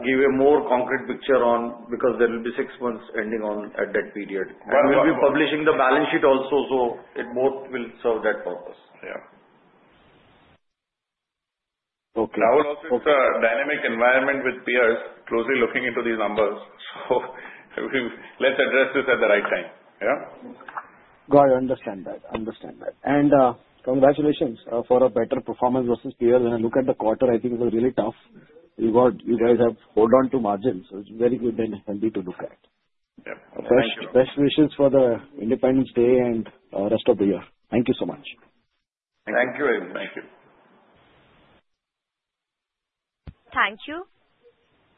[SPEAKER 2] give a more concrete picture on because there will be six months ending on at that period. [crosstalk] we'll be publishing the balance sheet also. So it both will serve that purpose.
[SPEAKER 13] Yeah. Okay.
[SPEAKER 4] [crosstalk] I would also say it's a dynamic environment with peers closely looking into these numbers. So let's address this at the right time. Yeah?
[SPEAKER 13] Got it. I understand that. I understand that. And congratulations for a better performance versus peers. When I look at the quarter, I think it was really tough. You guys have held on to margins. So it's very good and healthy to look at.
[SPEAKER 4] Yeah. Thank you.
[SPEAKER 13] Best wishes for the Independence Day and rest of the year. Thank you so much.
[SPEAKER 4] Thank you.
[SPEAKER 2] Thank you very much.
[SPEAKER 4] Thank you.
[SPEAKER 1] Thank you.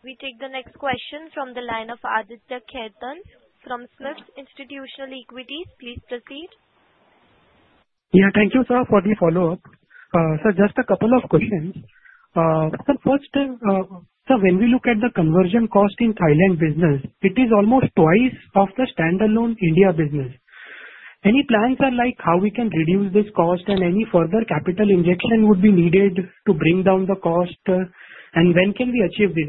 [SPEAKER 1] We take the next question from the line of Aditya Khetan from SMIFS Institutional Equities. Please proceed.
[SPEAKER 3] Yeah. Thank you, sir, for the follow-up. Sir, just a couple of questions. Sir, first, sir, when we look at the conversion cost in Thailand business, it is almost twice of the standalone India business. Any plans on like how we can reduce this cost and any further capital injection would be needed to bring down the cost? And when can we achieve this?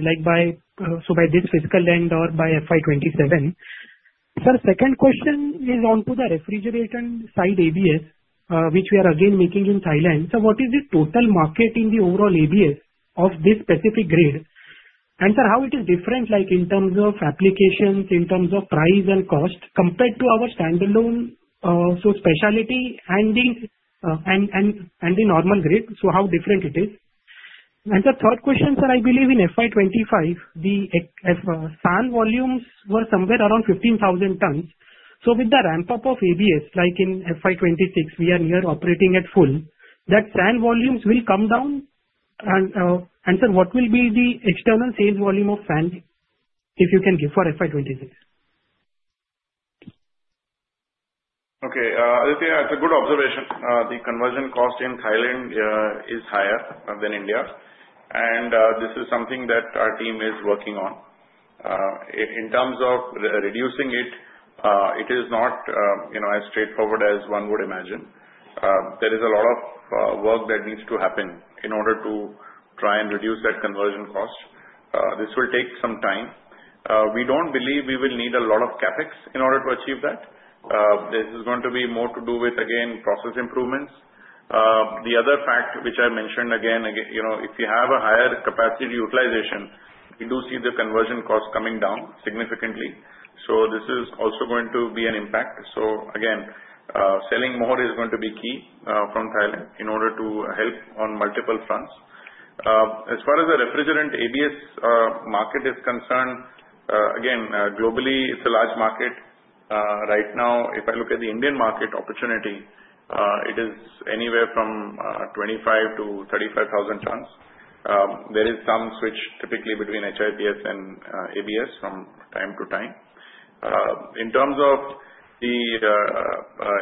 [SPEAKER 3] So by this fiscal end or by FY 2027. Sir, second question is onto the refrigeration side ABS, which we are again making in Thailand. Sir, what is the total market in the overall ABS of this specific grade? And sir, how it is different in terms of applications, in terms of price and cost compared to our standalone specialty and the normal grade? So how different it is? And the third question, sir, I believe in FY 2025, the SAN volumes were somewhere around 15,000 tons. So with the ramp-up of ABS, like in FY 2026, we are nearing operating at full. That SAN volumes will come down? And sir, what will be the external sales volume of SAN if you can give for FY 2026?
[SPEAKER 4] Okay. Aditya, it's a good observation. The conversion cost in Thailand is higher than India. And this is something that our team is working on. In terms of reducing it, it is not as straightforward as one would imagine. There is a lot of work that needs to happen in order to try and reduce that conversion cost. This will take some time. We don't believe we will need a lot of CapEx in order to achieve that. This is going to be more to do with, again, process improvements. The other fact, which I mentioned again, if you have a higher capacity utilization, we do see the conversion cost coming down significantly. So this is also going to be an impact. So again, selling more is going to be key from Thailand in order to help on multiple fronts. As far as the refrigerant ABS market is concerned, again, globally, it's a large market. Right now, if I look at the Indian market opportunity, it is anywhere from 25,000 to 35,000 tons. There is some switch typically between HIPS and ABS from time to time. In terms of the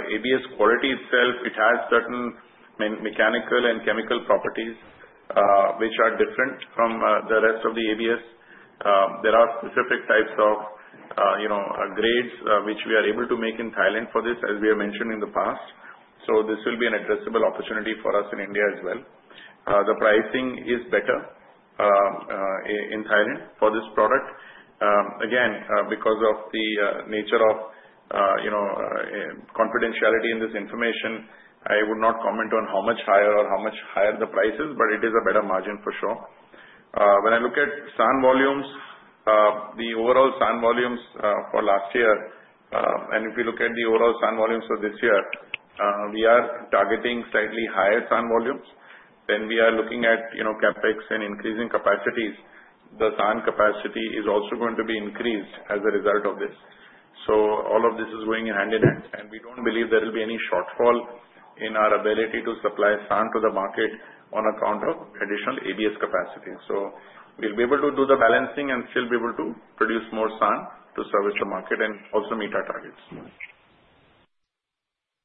[SPEAKER 4] ABS quality itself, it has certain mechanical and chemical properties which are different from the rest of the ABS. There are specific types of grades which we are able to make in Thailand for this, as we have mentioned in the past. So this will be an addressable opportunity for us in India as well. The pricing is better in Thailand for this product. Again, because of the nature of confidentiality in this information, I would not comment on how much higher the price is, but it is a better margin for sure. When I look at SAN volumes, the overall SAN volumes for last year, and if we look at the overall SAN volumes for this year, we are targeting slightly higher SAN volumes. Then we are looking at CapEx and increasing capacities. The SAN capacity is also going to be increased as a result of this. So all of this is going hand in hand. And we don't believe there will be any shortfall in our ability to supply SAN to the market on account of additional ABS capacity. So we'll be able to do the balancing and still be able to produce more SAN to service the market and also meet our targets.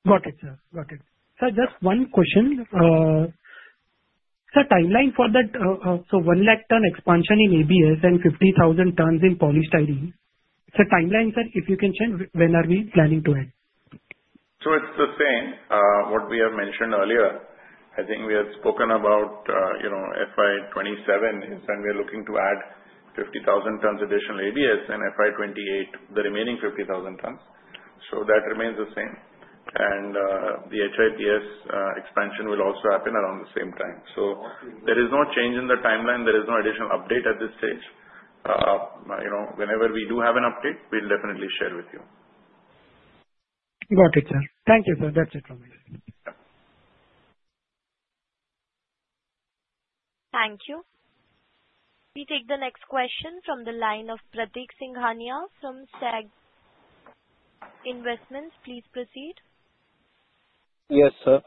[SPEAKER 3] Got it, sir. Got it. Sir, just one question. Sir, timeline for that, so 1 lakh ton expansion in ABS and 50,000 tons in polystyrene. Sir, timeline, sir, if you can share, when are we planning to add?
[SPEAKER 4] So it's the same, what we have mentioned earlier. I think we had spoken about FY 2027 is when we are looking to add 50,000 tons additional ABS and FY 2028, the remaining 50,000 tons. So that remains the same. And the HIPS expansion will also happen around the same time. So there is no change in the timeline. There is no additional update at this stage. Whenever we do have an update, we'll definitely share with you.
[SPEAKER 3] Got it, sir. Thank you, sir. That's it from me.
[SPEAKER 4] Yeah.
[SPEAKER 1] Thank you. We take the next question from the line of Pratik Singhania from SageOne Investment Managers. Please proceed.
[SPEAKER 14] Yes, sir.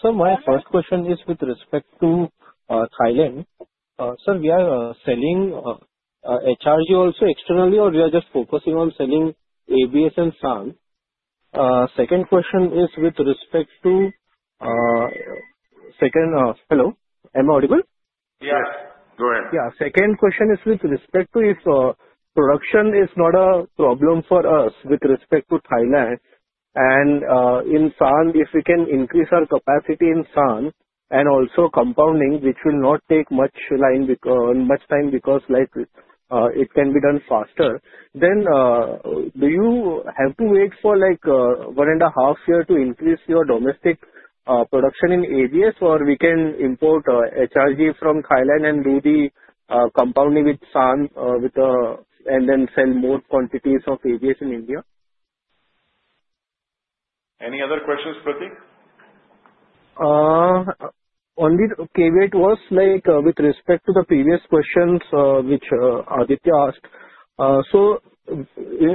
[SPEAKER 14] Sir, my first question is with respect to Thailand. Sir, we are selling HRG also externally, or we are just focusing on selling ABS and SAN? Second question is with respect to second, hello? Am I audible?
[SPEAKER 4] Yes. Go ahead.
[SPEAKER 14] Yeah. Second question is with respect to if production is not a problem for us with respect to Thailand, and in SAN, if we can increase our capacity in SAN and also compounding, which will not take much time because it can be done faster, then do you have to wait for one and a half year to increase your domestic production in ABS, or we can import HRG from Thailand and do the compounding with SAN and then sell more quantities of ABS in India?
[SPEAKER 4] Any other questions, Pratik?
[SPEAKER 14] Only KV8 was with respect to the previous questions which Aditya asked. So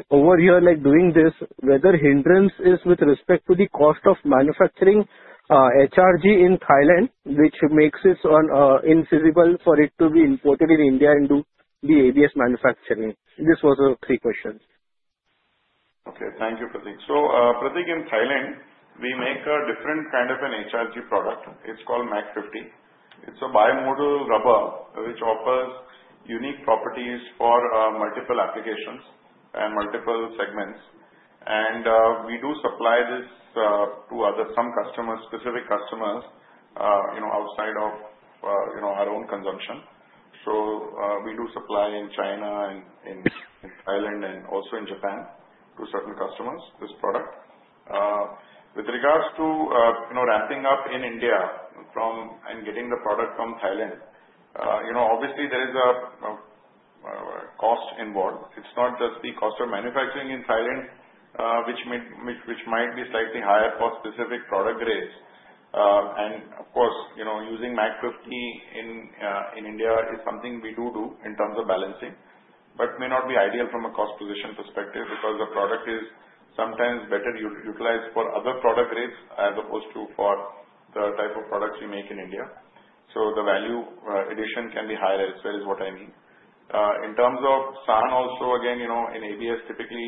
[SPEAKER 14] over here, doing this, whether hindrance is with respect to the cost of manufacturing HRG in Thailand, which makes it unviable for it to be imported in India and do the ABS manufacturing. This was the three questions.
[SPEAKER 4] Okay. Thank you, Pratik. So Pratik, in Thailand, we make a different kind of an HRG product. It's called MAC 50. It's a bimodal rubber which offers unique properties for multiple applications and multiple segments. And we do supply this to some customers, specific customers outside of our own consumption. So we do supply in China and in Thailand and also in Japan to certain customers, this product. With regards to ramping up in India and getting the product from Thailand, obviously, there is a cost involved. It's not just the cost of manufacturing in Thailand, which might be slightly higher for specific product grades. And of course, using MAC 50 in India is something we do do in terms of balancing, but may not be ideal from a cost position perspective because the product is sometimes better utilized for other product grades as opposed to for the type of products we make in India. So the value addition can be higher, as well as what I mean. In terms of SAN also, again, in ABS, typically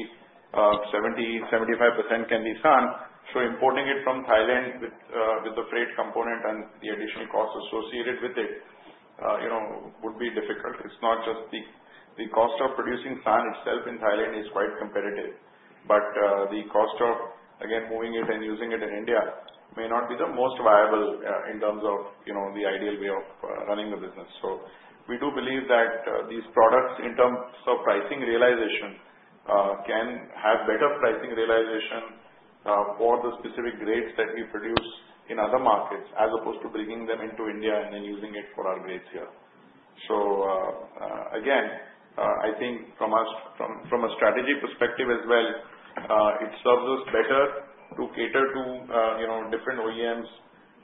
[SPEAKER 4] 70% to 75% can be SAN. So importing it from Thailand with the freight component and the additional cost associated with it would be difficult. It's not just the cost of producing SAN itself in Thailand is quite competitive. But the cost of, again, moving it and using it in India may not be the most viable in terms of the ideal way of running the business. So we do believe that these products, in terms of pricing realization, can have better pricing realization for the specific grades that we produce in other markets as opposed to bringing them into India and then using it for our grades here. So again, I think from a strategic perspective as well, it serves us better to cater to different OEMs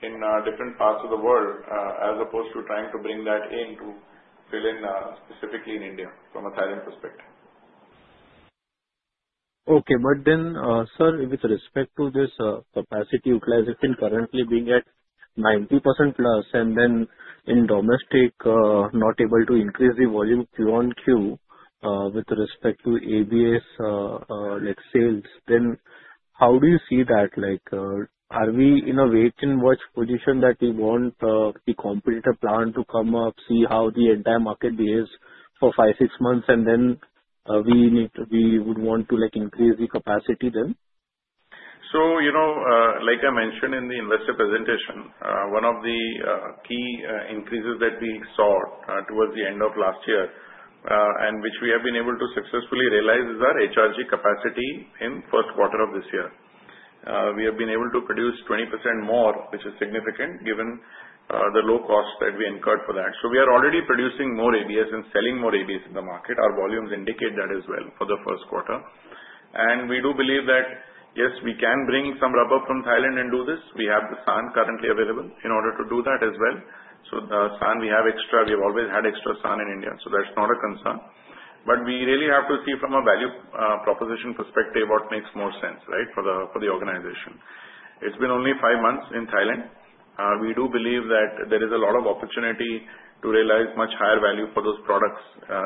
[SPEAKER 4] in different parts of the world as opposed to trying to bring that in to fill in specifically in India from a Thailand perspective.
[SPEAKER 14] Okay. But then, sir, with respect to this capacity utilization currently being at 90% plus, and then in domestic, not able to increase the volume Q-on-Q with respect to ABS sales, then how do you see that? Are we in a wait-and-watch position that we want the competitor plant to come up, see how the entire market behaves for five, six months, and then we would want to increase the capacity then?
[SPEAKER 4] So, like I mentioned in the investor presentation, one of the key increases that we saw towards the end of last year and which we have been able to successfully realize is our HRG capacity in the Q1 of this year. We have been able to produce 20% more, which is significant given the low cost that we incurred for that. So we are already producing more ABS and selling more ABS in the market. Our volumes indicate that as well for the Q1. And we do believe that, yes, we can bring some rubber from Thailand and do this. We have the SAN currently available in order to do that as well. So the SAN we have extra, we have always had extra SAN in India. So that's not a concern. But we really have to see from a value proposition perspective what makes more sense, right, for the organization. It's been only five months in Thailand. We do believe that there is a lot of opportunity to realize much higher value for those products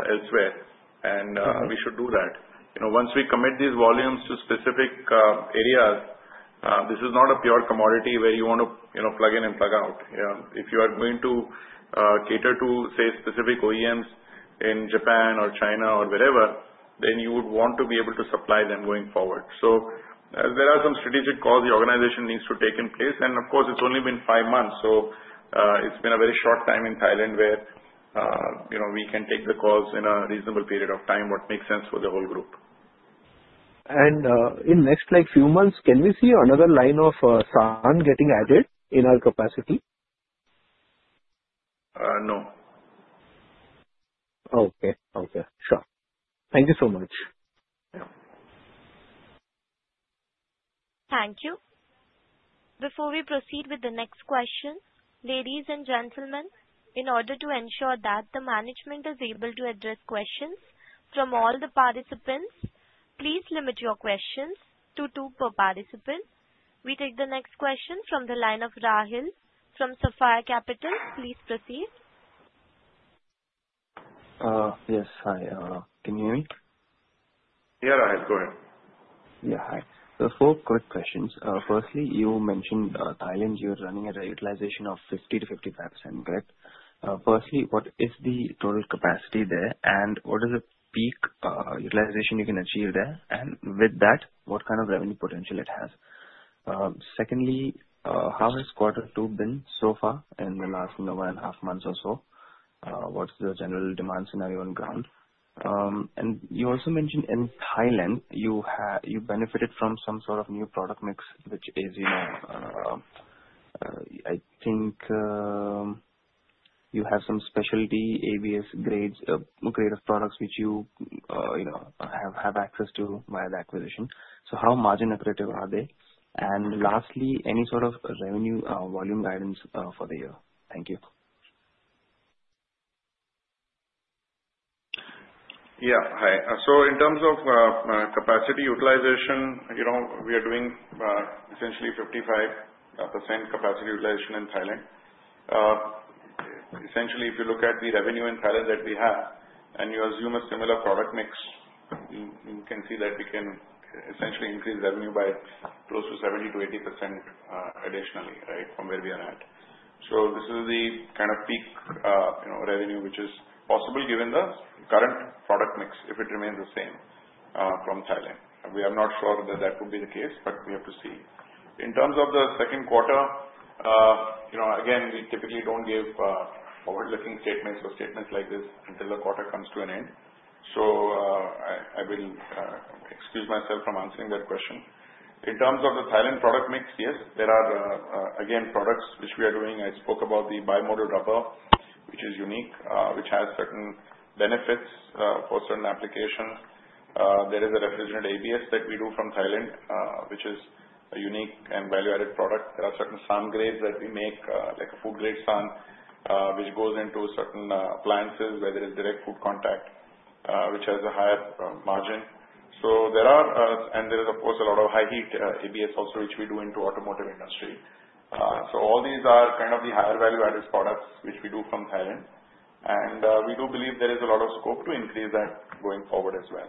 [SPEAKER 4] elsewhere. And we should do that. Once we commit these volumes to specific areas, this is not a pure commodity where you want to plug in and plug out. If you are going to cater to, say, specific OEMs in Japan or China or wherever, then you would want to be able to supply them going forward. So there are some strategic calls the organization needs to take in place. And of course, it's only been five months. So it's been a very short time in Thailand where we can take the calls in a reasonable period of time, what makes sense for the whole group.
[SPEAKER 14] In the next few months, can we see another line of SAN getting added in our capacity?
[SPEAKER 4] No.
[SPEAKER 14] Okay. Okay. Sure. Thank you so much.
[SPEAKER 1] Thank you. Before we proceed with the next question, ladies and gentlemen, in order to ensure that the management is able to address questions from all the participants, please limit your questions to two per participant. We take the next question from the line of Rahil from Sapphire Capital. Please proceed.
[SPEAKER 15] Yes. Hi. Can you hear me?
[SPEAKER 4] Yeah, Rahil. Go ahead.
[SPEAKER 15] Yeah. Hi. So four quick questions. Firstly, you mentioned Thailand, you're running at a utilization of 50%-55%, correct? Firstly, what is the total capacity there, and what is the peak utilization you can achieve there? And with that, what kind of revenue potential it has? Secondly, how has quarter two been so far in the last one and a half months or so? What's the general demand scenario on ground? And you also mentioned in Thailand, you benefited from some sort of new product mix, which is, I think, you have some specialty ABS grade of products which you have access to via the acquisition. So how margin-accretive are they? And lastly, any sort of revenue volume guidance for the year? Thank you.
[SPEAKER 4] Yeah. Hi. So in terms of capacity utilization, we are doing essentially 55% capacity utilization in Thailand. Essentially, if you look at the revenue in Thailand that we have, and you assume a similar product mix, you can see that we can essentially increase revenue by close to 70% to 80% additionally, right, from where we are at. So this is the kind of peak revenue which is possible given the current product mix if it remains the same from Thailand. We are not sure that that would be the case, but we have to see. In terms of the Q2, again, we typically don't give forward-looking statements or statements like this until the quarter comes to an end. So I will excuse myself from answering that question. In terms of the Thailand product mix, yes, there are, again, products which we are doing. I spoke about the Biomodal Rubber, which is unique, which has certain benefits for certain applications. There is a refrigerant ABS that we do from Thailand, which is a unique and value-added product. There are certain SAN grades that we make, like a food-grade SAN, which goes into certain appliances where there is direct food contact, which has a higher margin. So there are, and there is, of course, a lot of high-heat ABS also which we do into the automotive industry. So all these are kind of the higher value-added products which we do from Thailand. And we do believe there is a lot of scope to increase that going forward as well.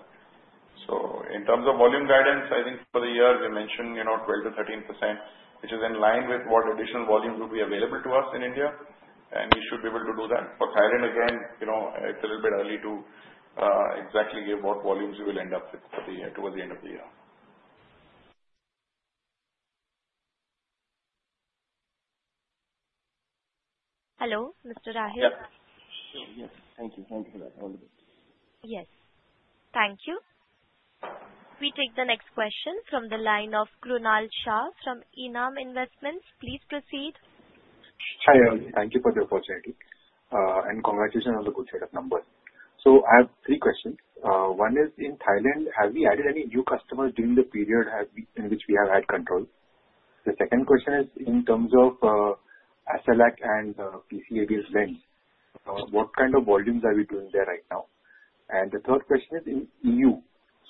[SPEAKER 4] So in terms of volume guidance, I think for the year, we mentioned 12% to 13%, which is in line with what additional volume would be available to us in India. We should be able to do that. For Thailand, again, it's a little bit early to exactly give what volumes we will end up with towards the end of the year.
[SPEAKER 1] Hello, Mr. Rahil?
[SPEAKER 15] Yes. Thank you. Thank you for that. All of it.
[SPEAKER 1] Yes. Thank you. We take the next question from the line of Krunal Shah from ENAM Investments. Please proceed.
[SPEAKER 16] Hi, everyone. Thank you for the opportunity. And congratulations on the good set of numbers. So I have three questions. One is, in Thailand, have we added any new customers during the period in which we have had control? The second question is, in terms of Absolac and PC-ABS blends, what kind of volumes are we doing there right now? And the third question is in EU.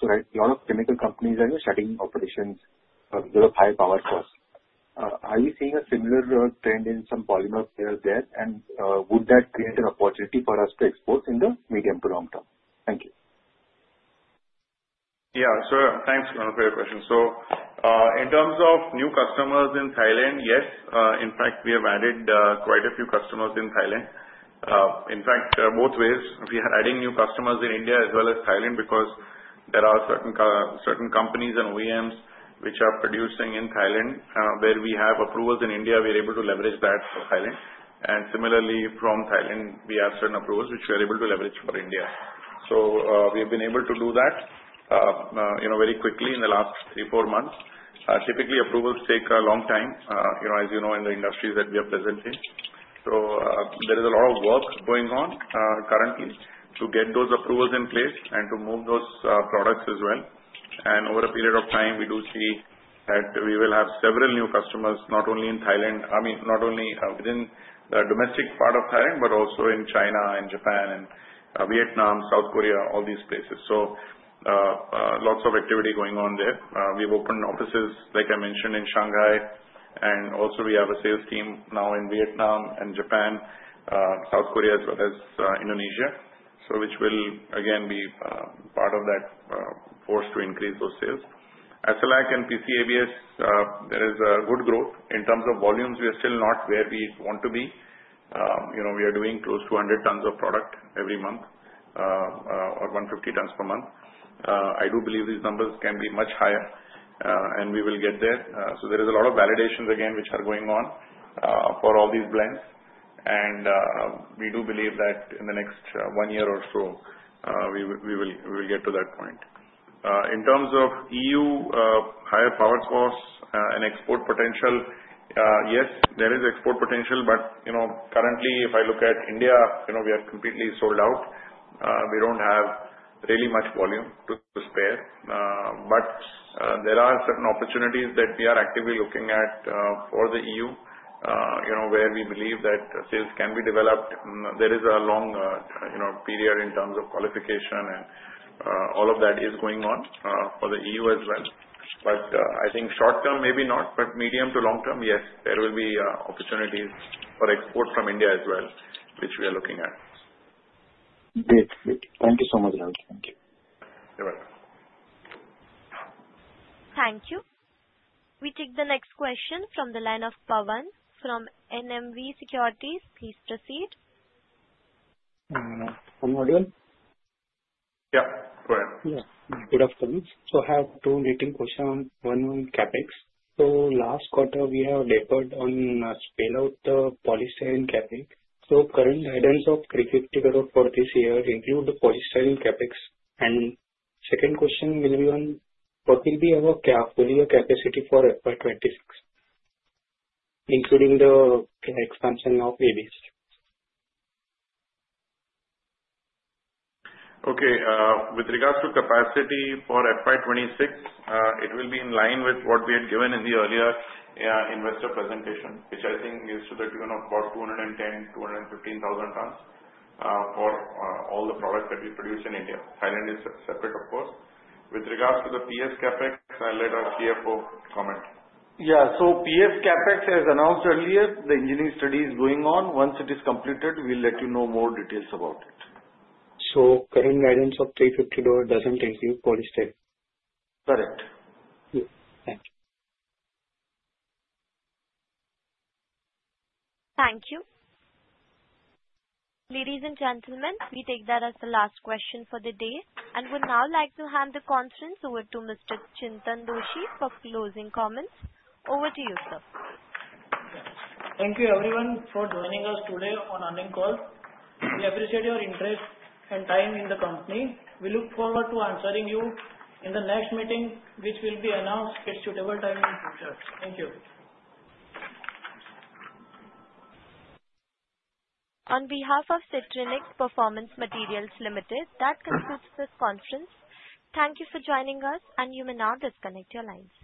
[SPEAKER 16] So a lot of chemical companies are shutting operations because of high power costs. Are we seeing a similar trend in some polymer players there, and would that create an opportunity for us to export in the medium to long term? Thank you.
[SPEAKER 4] Yeah. So thanks for the question. So in terms of new customers in Thailand, yes. In fact, we have added quite a few customers in Thailand. In fact, both ways. We are adding new customers in India as well as Thailand because there are certain companies and OEMs which are producing in Thailand where we have approvals in India. We are able to leverage that for Thailand. And similarly, from Thailand, we have certain approvals which we are able to leverage for India. So we have been able to do that very quickly in the last three, four months. Typically, approvals take a long time, as you know, in the industries that we are present in. So there is a lot of work going on currently to get those approvals in place and to move those products as well. Over a period of time, we do see that we will have several new customers, not only in Thailand. I mean, not only within the domestic part of Thailand, but also in China and Japan and Vietnam, South Korea, all these places. Lots of activity going on there. We've opened offices, like I mentioned, in Shanghai. We also have a sales team now in Vietnam and Japan, South Korea, as well as Indonesia, which will, again, be part of that force to increase those sales. Absolac and PC-ABS, there is good growth. In terms of volumes, we are still not where we want to be. We are doing close to 100 tons of product every month or 150 tons per month. I do believe these numbers can be much higher, and we will get there. So there is a lot of validations, again, which are going on for all these blends. And we do believe that in the next one year or so, we will get to that point. In terms of EU higher power costs and export potential, yes, there is export potential. But currently, if I look at India, we are completely sold out. We don't have really much volume to spare. But there are certain opportunities that we are actively looking at for the EU where we believe that sales can be developed. There is a long period in terms of qualification, and all of that is going on for the EU as well. But I think short term, maybe not, but medium to long term, yes, there will be opportunities for export from India as well, which we are looking at.
[SPEAKER 16] Great. Great. Thank you so much, Rahil. Thank you.
[SPEAKER 4] You're welcome.
[SPEAKER 1] Thank you. We take the next question from the line of Pawan from NMV Securities. Please proceed.
[SPEAKER 17] [inaudible]
[SPEAKER 4] Yeah. Go ahead.
[SPEAKER 17] Yeah. Good afternoon. So I have two related questions. One on CapEx. So last quarter, we have tapered on the specialty polystyrene CapEx. So current guidance of 350 for this year includes the polystyrene CapEx. And second question will be on what will be our full-year capacity for FY 2026, including the expansion of ABS?
[SPEAKER 4] Okay. With regards to capacity for FY 2026, it will be in line with what we had given in the earlier investor presentation, which I think leads to the tune of about 210,000-215,000 tons for all the products that we produce in India. Thailand is separate, of course. With regards to the PS CapEx, I'll let our CFO comment.
[SPEAKER 2] Yeah. So, PS CapEx has announced earlier the engineering study is going on. Once it is completed, we'll let you know more details about it.
[SPEAKER 17] So, current guidance of 350 doesn't include polystyrene?
[SPEAKER 2] Correct.
[SPEAKER 17] [inaudible]
[SPEAKER 1] Thank you. Ladies and gentlemen, we take that as the last question for the day. And we'd now like to hand the conference over to Mr. Chintan Doshi for closing comments. Over to you, sir.
[SPEAKER 18] Thank you, everyone, for joining us today on the Earnings Call. We appreciate your interest and time in the company. We look forward to answering you in the next meeting, which will be announced at a suitable time in the future. Thank you.
[SPEAKER 1] On behalf of Styrenix Performance Materials Limited, that concludes this conference. Thank you for joining us, and you may now disconnect your lines.